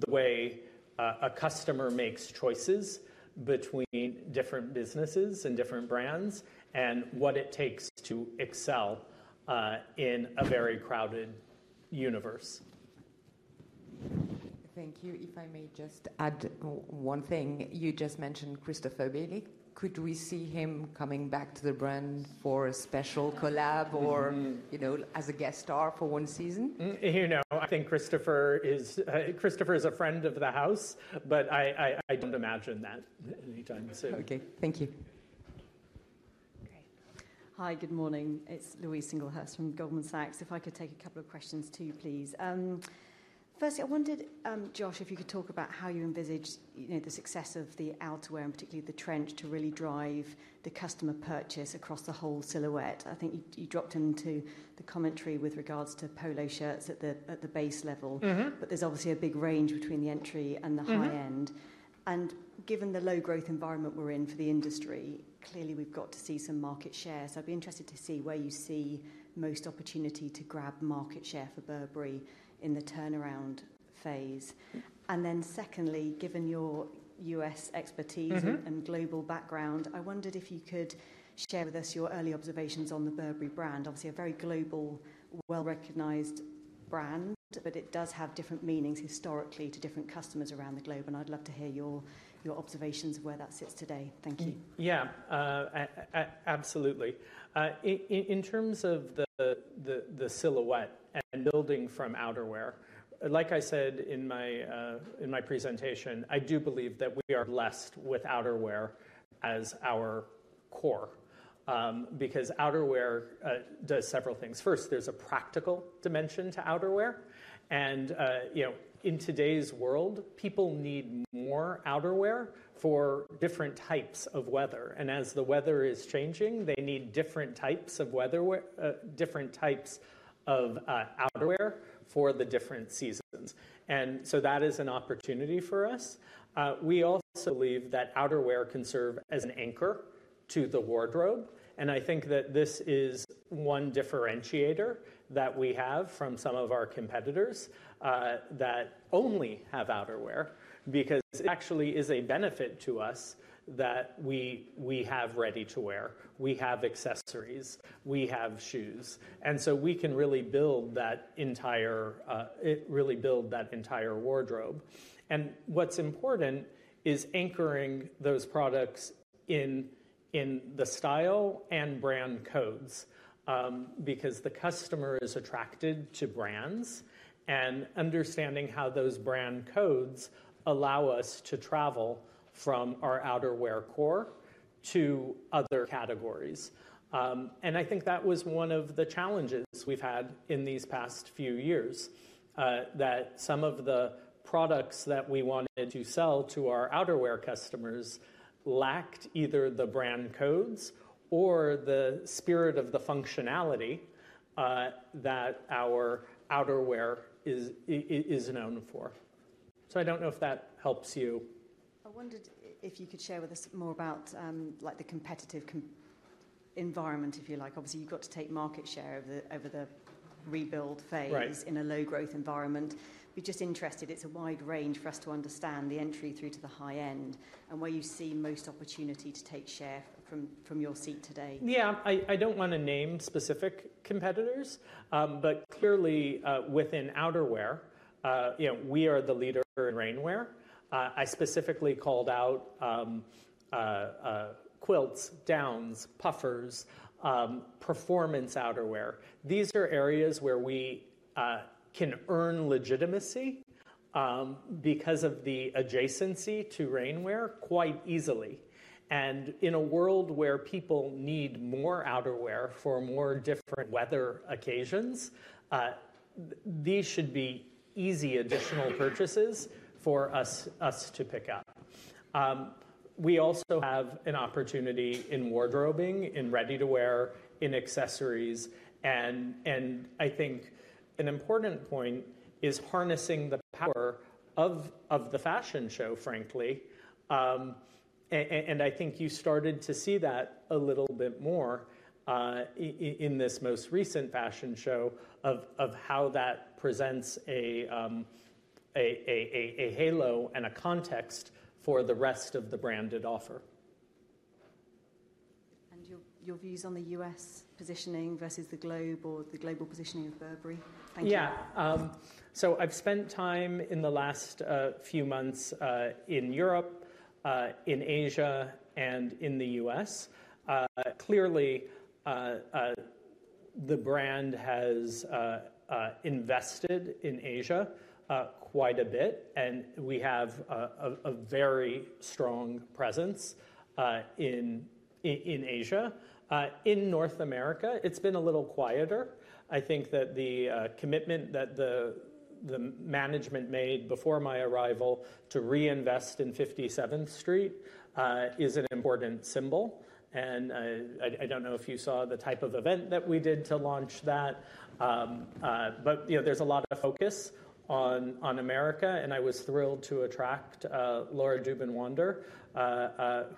way a customer makes choices between different businesses and different brands and what it takes to excel in a very crowded universe. Thank you. If I may just add one thing, you just mentioned Christopher Bailey. Could we see him coming back to the brand for a special collab or as a guest star for one season? I think Christopher is a friend of the house, but I don't imagine that anytime. Okay. Thank you. Hi, good morning. It's Louise Singlehurst from Goldman Sachs. If I could take a couple of questions to you, please. Firstly, I wondered, Josh, if you could talk about how you envisage the success of the outerwear and particularly the trench to really drive the customer purchase across the whole silhouette. I think you dropped into the commentary with regards to polo shirts at the base level, but there's obviously a big range between the entry and the high end. And given the low-growth environment we're in for the industry, clearly we've got to see some market share. So I'd be interested to see where you see most opportunity to grab market share for Burberry in the turnaround phase. And then secondly, given your U.S. expertise and global background, I wondered if you could share with us your early observations on the Burberry brand. Obviously, a very global, well-recognized brand, but it does have different meanings historically to different customers around the globe. And I'd love to hear your observations of where that sits today. Thank you. Yeah, absolutely. In terms of the silhouette and building from outerwear, like I said in my presentation, I do believe that we are blessed with outerwear as our core because outerwear does several things. First, there's a practical dimension to outerwear. And in today's world, people need more outerwear for different types of weather. And as the weather is changing, they need different types of outerwear for the different seasons. And so that is an opportunity for us. We also believe that outerwear can serve as an anchor to the wardrobe. And I think that this is one differentiator that we have from some of our competitors that only have outerwear because it actually is a benefit to us that we have ready-to-wear. We have accessories. We have shoes. And so we can really build that entire wardrobe. What's important is anchoring those products in the style and brand codes because the customer is attracted to brands and understanding how those brand codes allow us to travel from our outerwear core to other categories. I think that was one of the challenges we've had in these past few years that some of the products that we wanted to sell to our outerwear customers lacked either the brand codes or the spirit of the functionality that our outerwear is known for. So I don't know if that helps you. I wondered if you could share with us more about the competitive environment, if you like. Obviously, you've got to take market share over the rebuild phase in a low-growth environment. We're just interested. It's a wide range for us to understand the entry through to the high end and where you see most opportunity to take share from your seat today. Yeah, I don't want to name specific competitors, but clearly within outerwear, we are the leader in rainwear. I specifically called out quilts, gowns, puffers, performance outerwear. These are areas where we can earn legitimacy because of the adjacency to rainwear quite easily. And in a world where people need more outerwear for more different weather occasions, these should be easy additional purchases for us to pick up. We also have an opportunity in wardrobing, in ready-to-wear, in accessories. And I think an important point is harnessing the power of the fashion show, frankly. And I think you started to see that a little bit more in this most recent fashion show of how that presents a halo and a context for the rest of the branded offer. Your views on the U.S. positioning versus the globe or the global positioning of Burberry? Thank you. Yeah. So I've spent time in the last few months in Europe, in Asia, and in the U.S. Clearly, the brand has invested in Asia quite a bit, and we have a very strong presence in Asia. In North America, it's been a little quieter. I think that the commitment that the management made before my arrival to reinvest in 57th Street is an important symbol. And I don't know if you saw the type of event that we did to launch that, but there's a lot of focus on America. And I was thrilled to attract Laura Dubin-Wander,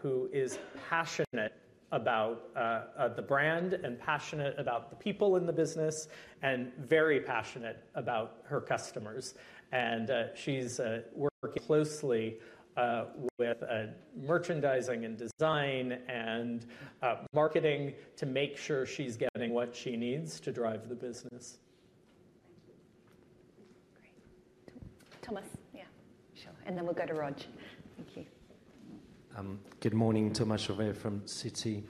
who is passionate about the brand and passionate about the people in the business and very passionate about her customers. And she's working closely with merchandising and design and marketing to make sure she's getting what she needs to drive the business. Great. Thomas, yeah, and then we'll go to Roger. Thank you. Good morning, Thomas Chauvet from Citi.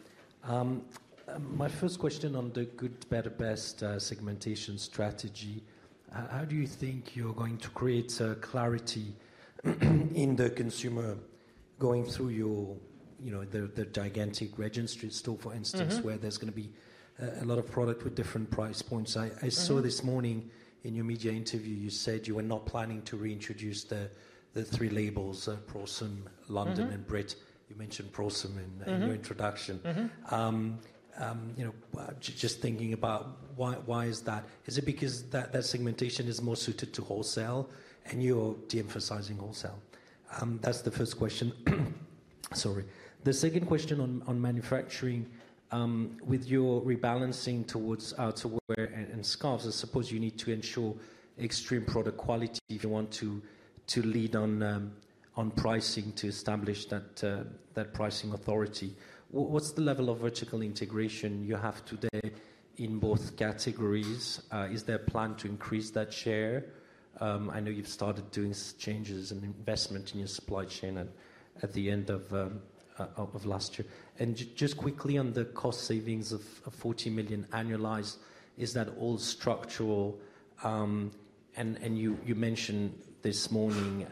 My first question on the good, better, best segmentation strategy. How do you think you're going to create clarity in the consumer going through the gigantic Regent Street store, for instance, where there's going to be a lot of product with different price points? I saw this morning in your media interview, you said you were not planning to reintroduce the three labels, Prorsum, London, and Brit. You mentioned Prorsum in your introduction. Just thinking about why is that? Is it because that segmentation is more suited to wholesale and you're de-emphasizing wholesale? That's the first question. Sorry. The second question on manufacturing, with your rebalancing towards outerwear and scarves, I suppose you need to ensure extreme product quality. You want to lead on pricing to establish that pricing authority. What's the level of vertical integration you have today in both categories? Is there a plan to increase that share? I know you've started doing changes and investment in your supply chain at the end of last year. And just quickly on the cost savings of 40 million annualized, is that all structural? And you mentioned this morning,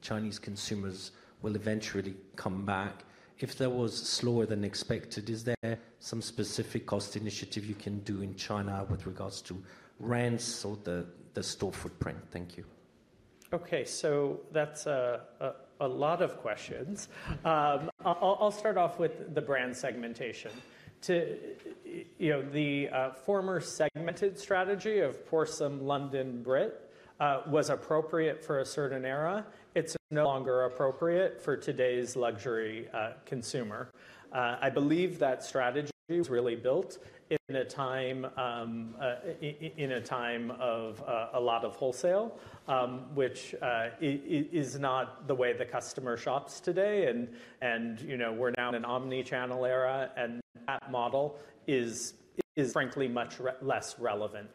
Chinese consumers will eventually come back. If that was slower than expected, is there some specific cost initiative you can do in China with regards to rents or the store footprint? Thank you. Okay, so that's a lot of questions. I'll start off with the brand segmentation. The former segmentation strategy of Prorsum, London, Brit was appropriate for a certain era. It's no longer appropriate for today's luxury consumer. I believe that strategy was really built in a time of a lot of wholesale, which is not the way the customer shops today. And we're now in an omnichannel era, and that model is frankly much less relevant.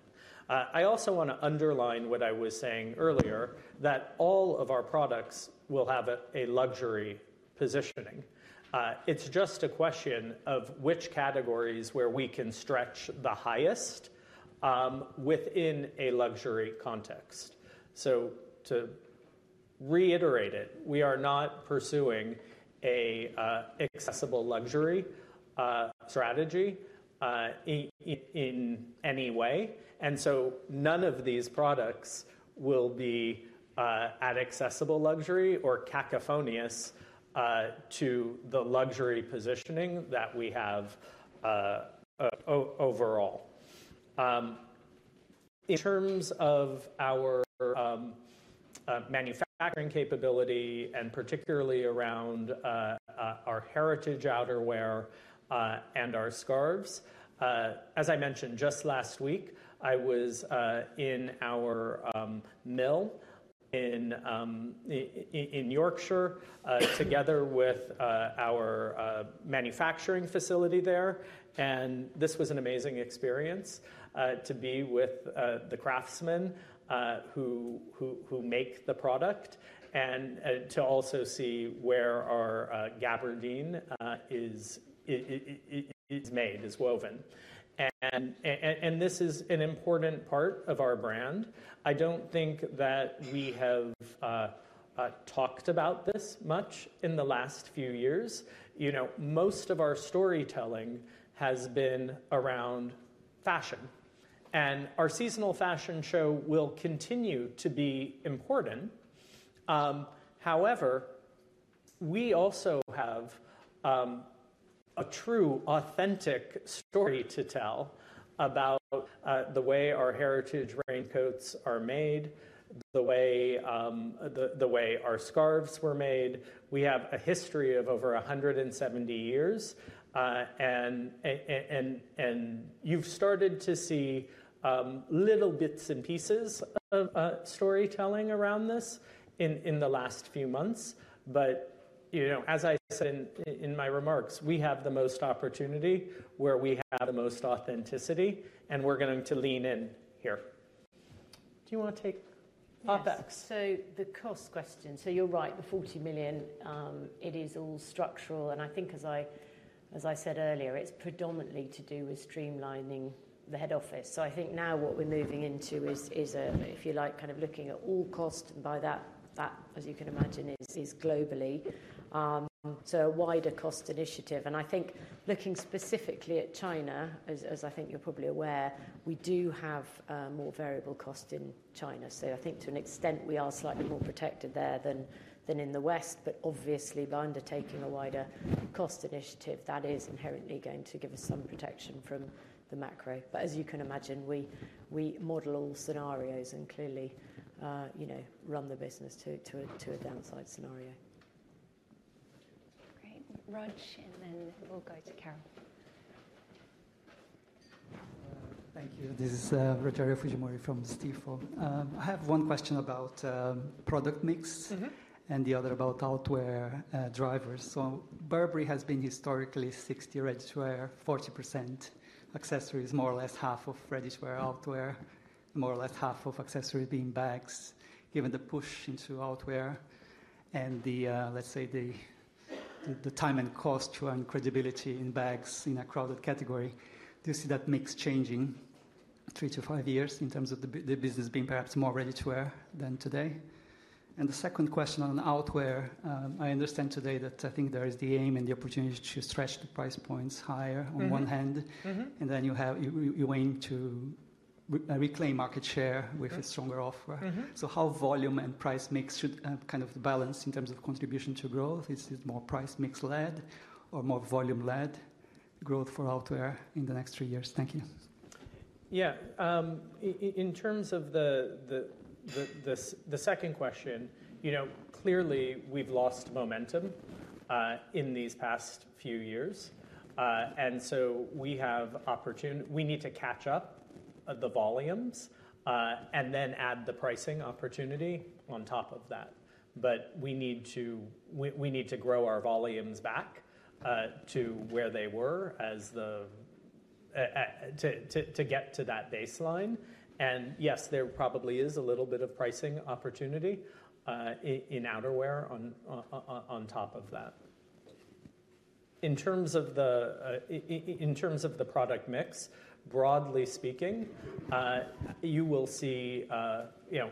I also want to underline what I was saying earlier, that all of our products will have a luxury positioning. It's just a question of which categories where we can stretch the highest within a luxury context. So to reiterate it, we are not pursuing an accessible luxury strategy in any way. And so none of these products will be at accessible luxury or counter to the luxury positioning that we have overall. In terms of our manufacturing capability and particularly around our heritage outerwear and our scarves, as I mentioned, just last week, I was in our mill in Yorkshire together with our manufacturing facility there. And this was an amazing experience to be with the craftsmen who make the product and to also see where our gabardine is made, is woven. And this is an important part of our brand. I don't think that we have talked about this much in the last few years. Most of our storytelling has been around fashion. And our seasonal fashion show will continue to be important. However, we also have a true authentic story to tell about the way our heritage raincoats are made, the way our scarves were made. We have a history of over 170 years. You've started to see little bits and pieces of storytelling around this in the last few months. As I said in my remarks, we have the most opportunity where we have the most authenticity, and we're going to lean in here. Do you want to take that? So, the cost question. So you're right, the 40 million; it is all structural. And I think as I said earlier, it's predominantly to do with streamlining the head office. So I think now what we're moving into is, if you like, kind of looking at all costs. And by that, as you can imagine, is globally. So a wider cost initiative. And I think looking specifically at China, as I think you're probably aware, we do have more variable costs in China. So I think to an extent, we are slightly more protected there than in the West. But obviously, by undertaking a wider cost initiative, that is inherently going to give us some protection from the macro. But as you can imagine, we model all scenarios and clearly run the business to a downside scenario. Great. Roger, and then we'll go to Carole. Thank you. This is Rogerio Fujimori from Stifel. I have one question about product mix and the other about outerwear drivers. So Burberry has been historically 60% ready-to-wear, 40% accessories, more or less half of ready-to-wear, outerwear, more or less half of accessories being bags, given the push into outerwear and the, let's say, the time and cost to earn credibility in bags in a crowded category. Do you see that mix changing three to five years in terms of the business being perhaps more ready-to-wear than today? And the second question on outerwear, I understand today that I think there is the aim and the opportunity to stretch the price points higher on one hand, and then you aim to reclaim market share with a stronger offer. So how volume and price mix should kind of balance in terms of contribution to growth? Is it more price mix-led or more volume-led growth for outerwear in the next three years? Thank you. Yeah. In terms of the second question, clearly, we've lost momentum in these past few years, and so we need to catch up the volumes and then add the pricing opportunity on top of that, but we need to grow our volumes back to where they were to get to that baseline, and yes, there probably is a little bit of pricing opportunity in outerwear on top of that. In terms of the product mix, broadly speaking, you will see,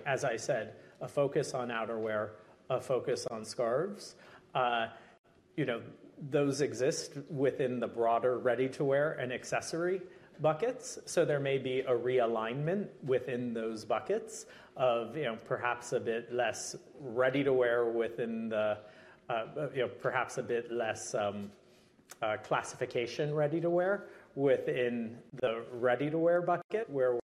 as I said, a focus on outerwear, a focus on scarves. Those exist within the broader ready-to-wear and accessory buckets, so there may be a realignment within those buckets of perhaps a bit less ready-to-wear within the ready-to-wear bucket where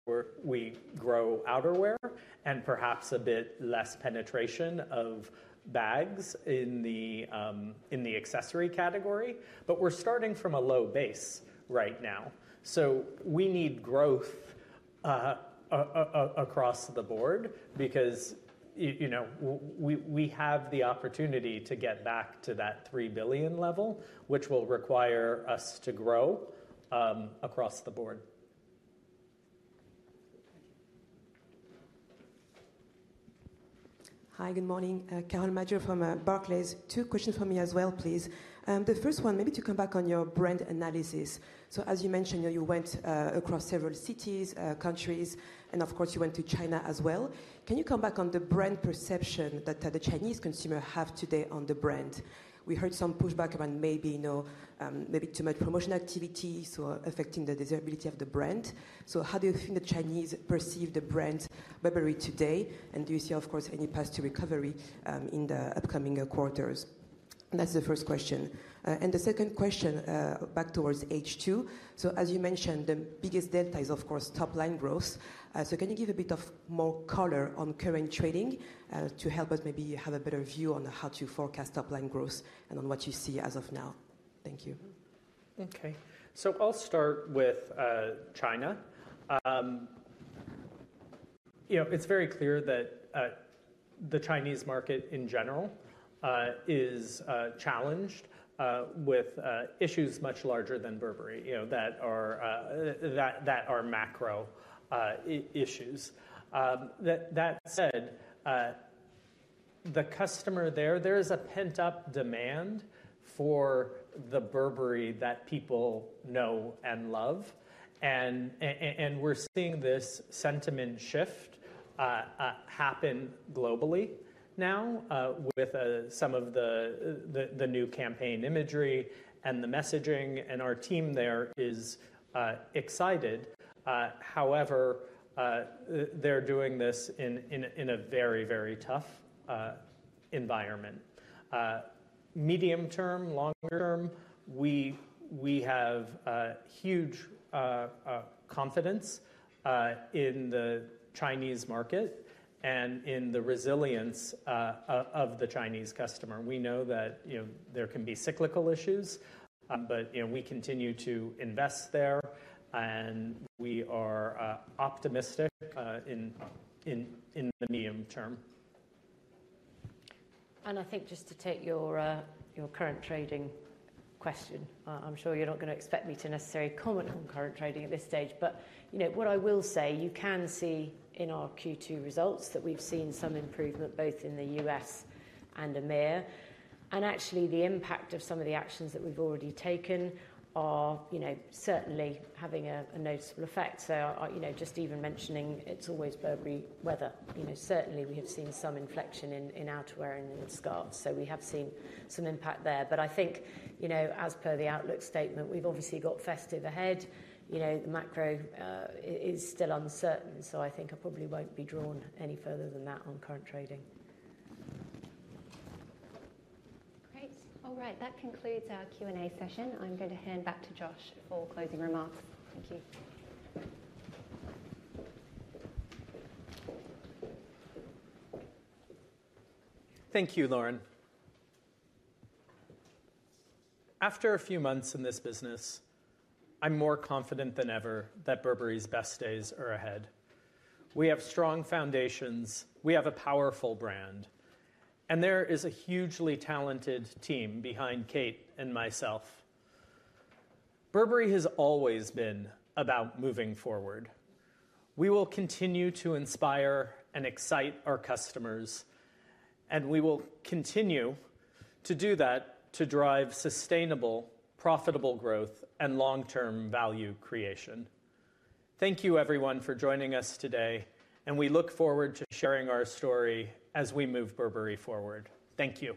we grow outerwear and perhaps a bit less penetration of bags in the accessory category. But we're starting from a low base right now. So we need growth across the board because we have the opportunity to get back to that 3 billion level, which will require us to grow across the board. Hi, good morning. Carole Madjo from Barclays. Two questions for me as well, please. The first one, maybe to come back on your brand analysis. So as you mentioned, you went across several cities, countries, and of course, you went to China as well. Can you come back on the brand perception that the Chinese consumer have today on the brand? We heard some pushback around maybe too much promotion activity affecting the desirability of the brand. So how do you think the Chinese perceive the brand Burberry today? And do you see, of course, any path to recovery in the upcoming quarters? That's the first question. And the second question, back towards H2. So as you mentioned, the biggest delta is, of course, top-line growth. So can you give a bit more color on current trading to help us maybe have a better view on how to forecast top-line growth and on what you see as of now? Thank you. Okay, so I'll start with China. It's very clear that the Chinese market in general is challenged with issues much larger than Burberry that are macro issues. That said, the customer there is a pent-up demand for the Burberry that people know and love. And we're seeing this sentiment shift happen globally now with some of the new campaign imagery and the messaging. And our team there is excited. However, they're doing this in a very, very tough environment. Medium term, long term, we have huge confidence in the Chinese market and in the resilience of the Chinese customer. We know that there can be cyclical issues, but we continue to invest there. And we are optimistic in the medium term. And I think just to take your current trading question, I'm sure you're not going to expect me to necessarily comment on current trading at this stage. But what I will say, you can see in our Q2 results that we've seen some improvement both in the U.S. and EMEA. And actually, the impact of some of the actions that we've already taken are certainly having a noticeable effect. So just even mentioning, It's Always Burberry Weather. Certainly, we have seen some inflection in outerwear and in scarves. So we have seen some impact there. But I think as per the outlook statement, we've obviously got festive ahead. The macro is still uncertain. So I think I probably won't be drawn any further than that on current trading. Great. All right. That concludes our Q&A session. I'm going to hand back to Josh for closing remarks. Thank you. Thank you, Laura. After a few months in this business, I'm more confident than ever that Burberry's best days are ahead. We have strong foundations. We have a powerful brand, and there is a hugely talented team behind Kate and myself. Burberry has always been about moving forward. We will continue to inspire and excite our customers, and we will continue to do that to drive sustainable, profitable growth and long-term value creation. Thank you, everyone, for joining us today, and we look forward to sharing our story as we move Burberry forward. Thank you.